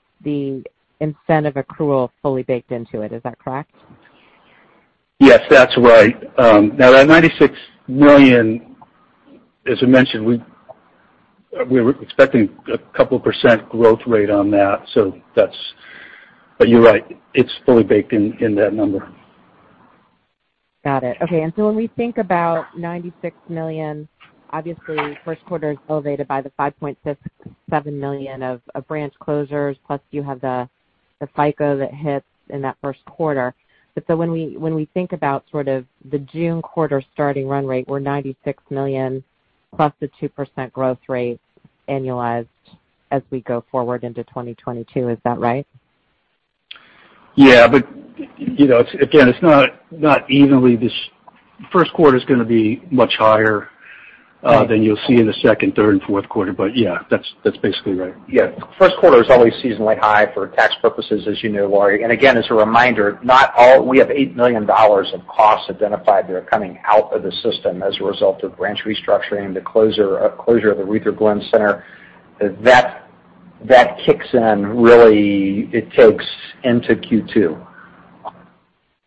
the incentive accrual fully baked into it. Is that correct? Yes, that's right. Now that $96 million, as I mentioned, we were expecting a couple% growth rate on that. That's fully baked in that number. But you're right. Got it. Okay. When we think about $96 million, obviously first quarter is elevated by the $5.67 million of branch closures, plus you have the FICO that hits in that first quarter. When we think about sort of the June quarter starting run rate, we're $96 million plus the 2% growth rate annualized as we go forward into 2022. Is that right? Yeah, you know, it's again, it's not evenly this first quarter is going to be much higher than you'll see in the second, third, and fourth quarter. Yeah, that's basically right. Yeah. First quarter is always seasonally high for tax purposes, as you know, Laurie. Again, as a reminder, not all we have $8 million of costs identified that are coming out of the system as a result of branch restructuring, the closure of the Ruther Glen Center. That kicks in. Really, it takes into Q2.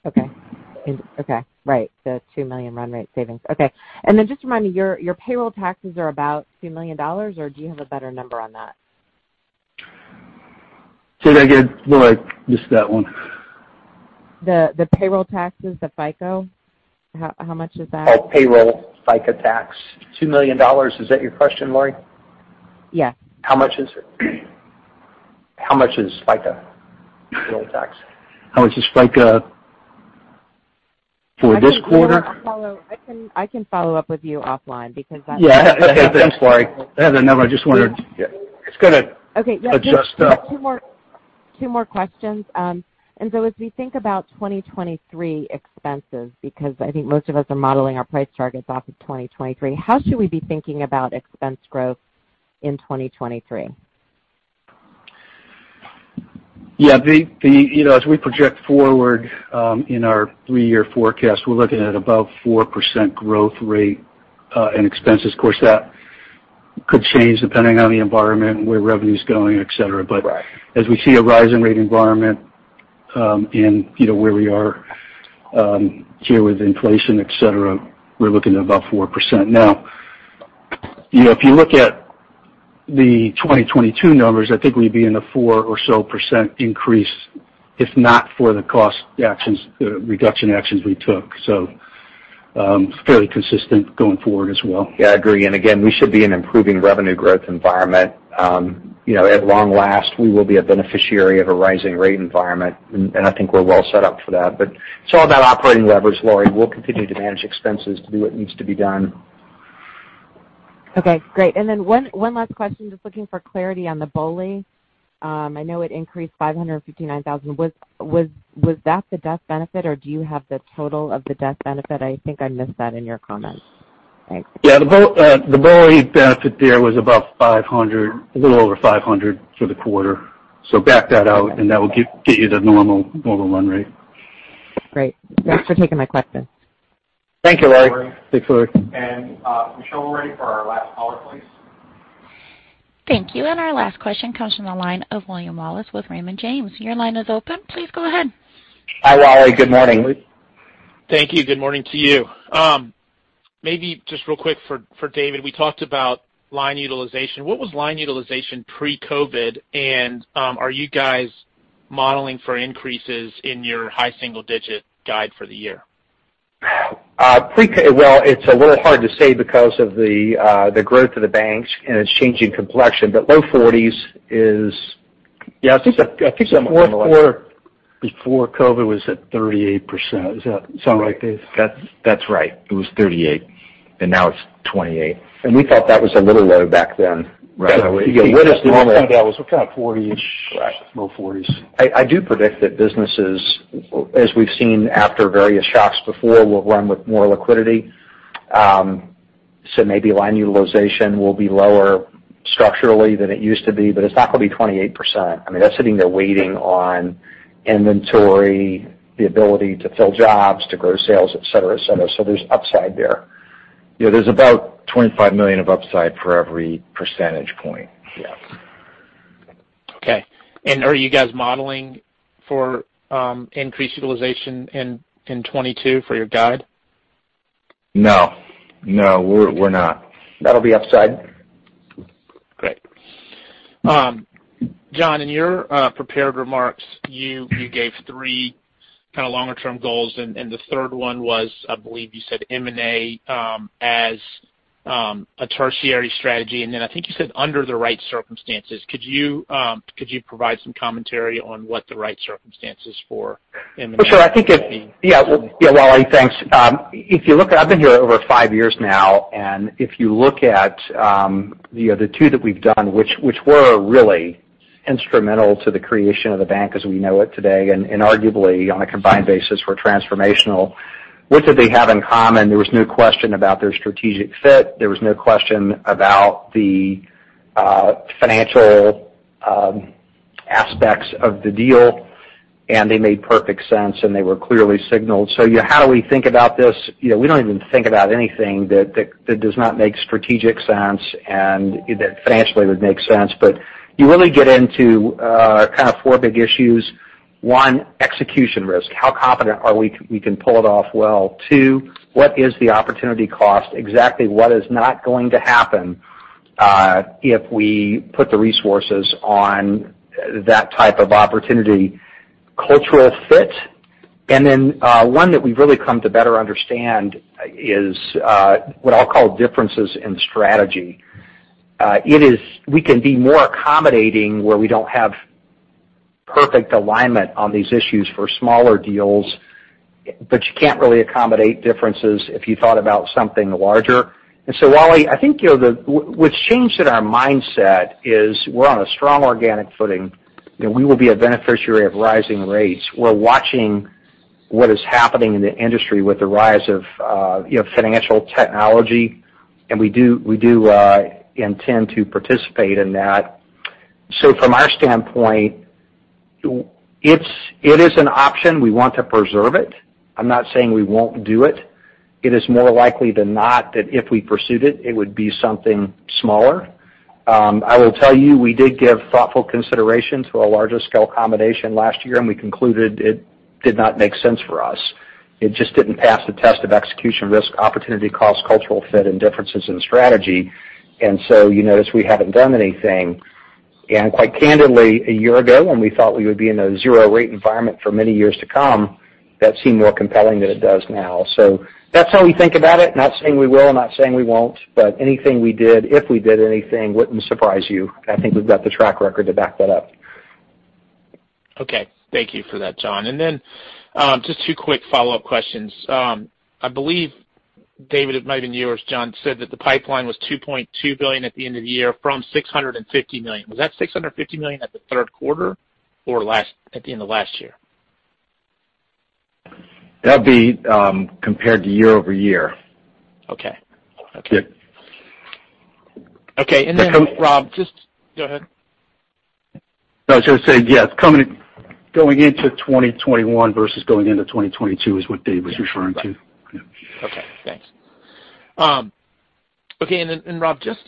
Okay. Right. The $2 million run rate savings. Okay. Just remind me, your payroll taxes are about $2 million, or do you have a better number on that? Should I get, Laurie, just that one? The payroll taxes, the FICO, how much is that? Payroll FICO tax, $2 million. Is that your question, Laurie? Yeah. How much is it? How much is FICO tax? How much is FICO for this quarter? I can follow up with you offline because that's Yeah. Thanks, Laurie. I have that number. I just wanted to- Yeah. It's going to adjust up. Okay. Two more questions. As we think about 2023 expenses, because I think most of us are modeling our price targets off of 2023, how should we be thinking about expense growth in 2023? Yeah, you know, as we project forward, in our three-year forecast, we're looking at about 4% growth rate in expenses. Of course, that could change depending on the environment, where revenue is going, et cetera. Right. As we see a rising rate environment, in you know where we are here with inflation, et cetera, we're looking at about 4%. Now, you know, if you look at the 2022 numbers, I think we'd be in the 4% or so increase, if not for the cost actions, reduction actions we took. Fairly consistent going forward as well. Yeah, I agree. Again, we should be in an improving revenue growth environment. You know, at long last, we will be a beneficiary of a rising rate environment, and I think we're well set up for that. It's all about operating leverage, Laurie. We'll continue to manage expenses to do what needs to be done. Okay, great. One last question, just looking for clarity on the BOLI. I know it increased $559,000. Was that the death benefit, or do you have the total of the death benefit? I think I missed that in your comments. Thanks. Yeah. The BOLI benefit there was about $500, a little over $500 for the quarter. Back that out and that will get you the normal run rate. Great. Thanks for taking my questions. Thank you, Laurie. Thanks, Laurie. Michelle, we're ready for our last caller, please. Thank you. Our last question comes from the line of William Wallace with Raymond James. Your line is open. Please go ahead. Hi, Wally. Good morning. Thank you. Good morning to you. Maybe just real quick for David, we talked about line utilization. What was line utilization pre-COVID? Are you guys modeling for increases in your high single digit guide for the year? Well, it's a little hard to say because of the growth of the banks and its changing complexion, but low forties is- Yeah, I think the fourth quarter before COVID was at 38%. Does that sound right, Dave? That's right. It was 38%, and now it's 28%. We thought that was a little low back then. Right. Kind of 40%-ish. Right. Low 40%s. I do predict that businesses, as we've seen after various shocks before, will run with more liquidity. So maybe line utilization will be lower structurally than it used to be, but it's not going to be 28%. I mean, that's sitting there waiting on inventory, the ability to fill jobs, to grow sales, et cetera, et cetera. So there's upside there. You know, there's about $25 million of upside for every percentage point. Yeah. Okay. Are you guys modeling for increased utilization in 2022 for your guide? No, we're not. That'll be upside. Great. John, in your prepared remarks, you gave three kind of longer term goals, and the third one was, I believe you said M&A, as a tertiary strategy. And then I think you said under the right circumstances. Could you provide some commentary on what the right circumstances for M&A. For sure. I think, Wally, thanks. If you look, I've been here over five years now, and if you look at you know, the two that we've done, which were really instrumental to the creation of the bank as we know it today, and arguably on a combined basis were transformational. What did they have in common? There was no question about their strategic fit. There was no question about the financial aspects of the deal. They made perfect sense, and they were clearly signaled. How do we think about this? You know, we don't even think about anything that does not make strategic sense and that financially would make sense. You really get into kind of four big issues. One, execution risk. How confident are we that we can pull it off well? Two, what is the opportunity cost? Exactly what is not going to happen if we put the resources on that type of opportunity? Cultural fit. One that we've really come to better understand is what I'll call differences in strategy. We can be more accommodating where we don't have perfect alignment on these issues for smaller deals. You can't really accommodate differences if you thought about something larger. Wally, I think, you know, what's changed in our mindset is we're on a strong organic footing, and we will be a beneficiary of rising rates. We're watching what is happening in the industry with the rise of, you know, financial technology, and we do intend to participate in that. From our standpoint, it's an option. We want to preserve it. I'm not saying we won't do it. It is more likely than not that if we pursued it would be something smaller. I will tell you, we did give thoughtful consideration to a larger-scale accommodation last year, and we concluded it did not make sense for us. It just didn't pass the test of execution risk, opportunity cost, cultural fit, and differences in strategy. You notice we haven't done anything. Quite candidly, a year ago, when we thought we would be in a zero rate environment for many years to come, that seemed more compelling than it does now. That's how we think about it. Not saying we will, I'm not saying we won't. Anything we did, if we did anything, wouldn't surprise you. I think we've got the track record to back that up. Okay. Thank you for that, John. Just two quick follow-up questions. I believe David, it might have been you or John, said that the pipeline was $2.2 billion at the end of the year from $650 million. Was that $650 million at the third quarter or at the end of last year? That'd be, compared to year-over-year. Okay. Okay. Yeah. Okay. Rob, just go ahead. No, I was gonna say, yes, going into 2021 versus going into 2022 is what Dave was referring to. Rob, just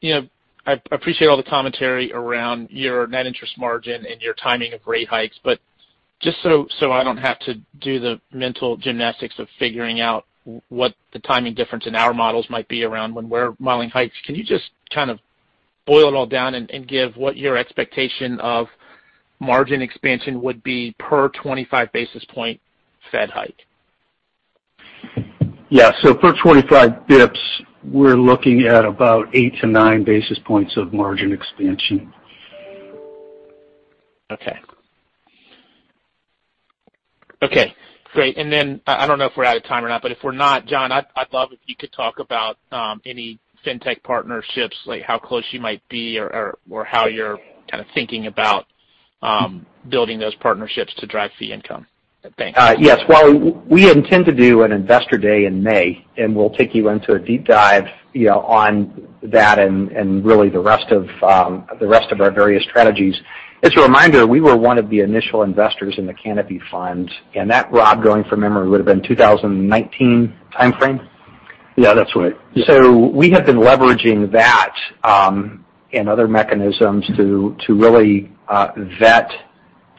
you know, I appreciate all the commentary around your net interest margin and your timing of rate hikes, but just so I don't have to do the mental gymnastics of figuring out what the timing difference in our models might be around when we're modeling hikes, can you just kind of boil it all down and give what your expectation of margin expansion would be per 25 basis point Fed hike? Yeah. For 25 basis points, we're looking at about 8-9 basis points of margin expansion. Okay. Okay, great. I don't know if we're out of time or not, but if we're not, John, I'd love if you could talk about any fintech partnerships, like how close you might be or how you're kind of thinking about building those partnerships to drive fee income. Thanks. Yes. Well, we intend to do an investor day in May, and we'll take you into a deep dive, you know, on that and really the rest of our various strategies. As a reminder, we were one of the initial investors in the Canopy Fund, and that, Rob, going from memory, would have been 2019 timeframe. Yeah, that's right. We have been leveraging that, and other mechanisms to really vet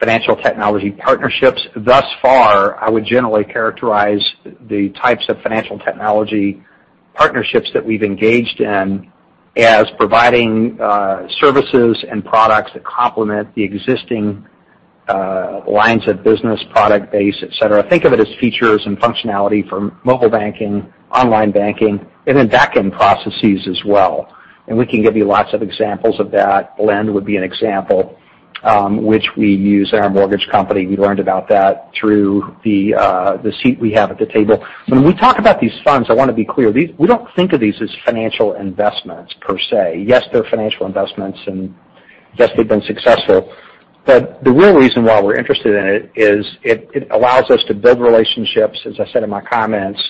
financial technology partnerships. Thus far, I would generally characterize the types of financial technology partnerships that we've engaged in as providing services and products that complement the existing lines of business, product base, et cetera. Think of it as features and functionality for mobile banking, online banking, and then back-end processes as well. We can give you lots of examples of that. Blend would be an example, which we use in our mortgage company. We learned about that through the seat we have at the table. When we talk about these funds, I wanna be clear, these, we don't think of these as financial investments per se. Yes, they're financial investments, and yes, they've been successful. The real reason why we're interested in it is it allows us to build relationships, as I said in my comments,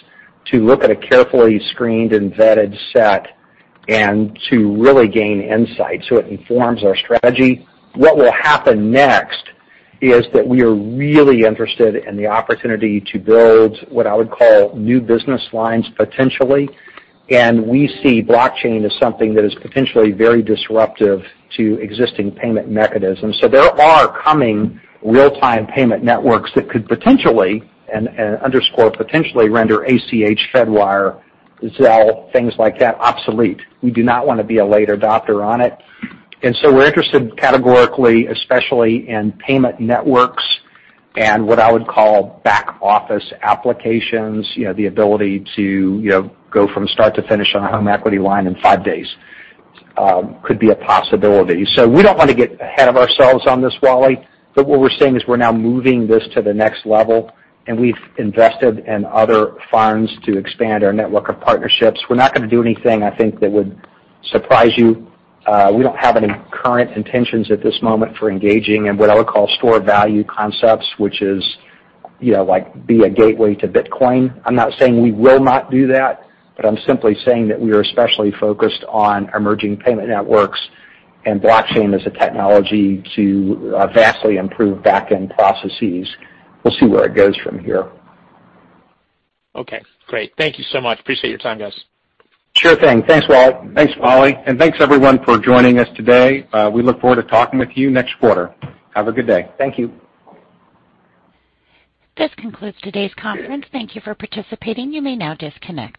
to look at a carefully screened and vetted set and to really gain insight, so it informs our strategy. What will happen next is that we are really interested in the opportunity to build what I would call new business lines potentially. We see blockchain as something that is potentially very disruptive to existing payment mechanisms. There are coming real-time payment networks that could potentially and underscore potentially render ACH, Fedwire, Zelle, things like that, obsolete. We do not wanna be a late adopter on it. We're interested categorically, especially in payment networks and what I would call back-office applications. You know, the ability to, you know, go from start to finish on a home equity line in five days, could be a possibility. We don't wanna get ahead of ourselves on this, Wally, but what we're saying is we're now moving this to the next level, and we've invested in other funds to expand our network of partnerships. We're not gonna do anything, I think, that would surprise you. We don't have any current intentions at this moment for engaging in what I would call stored value concepts, which is, you know, like be a gateway to Bitcoin. I'm not saying we will not do that, but I'm simply saying that we are especially focused on emerging payment networks and blockchain as a technology to, vastly improve back-end processes. We'll see where it goes from here. Okay, great. Thank you so much. Appreciate your time, guys. Sure thing. Thanks, Walt. Thanks, Wally. Thanks everyone for joining us today. We look forward to talking with you next quarter. Have a good day. Thank you. This concludes today's conference. Thank you for participating. You may now disconnect.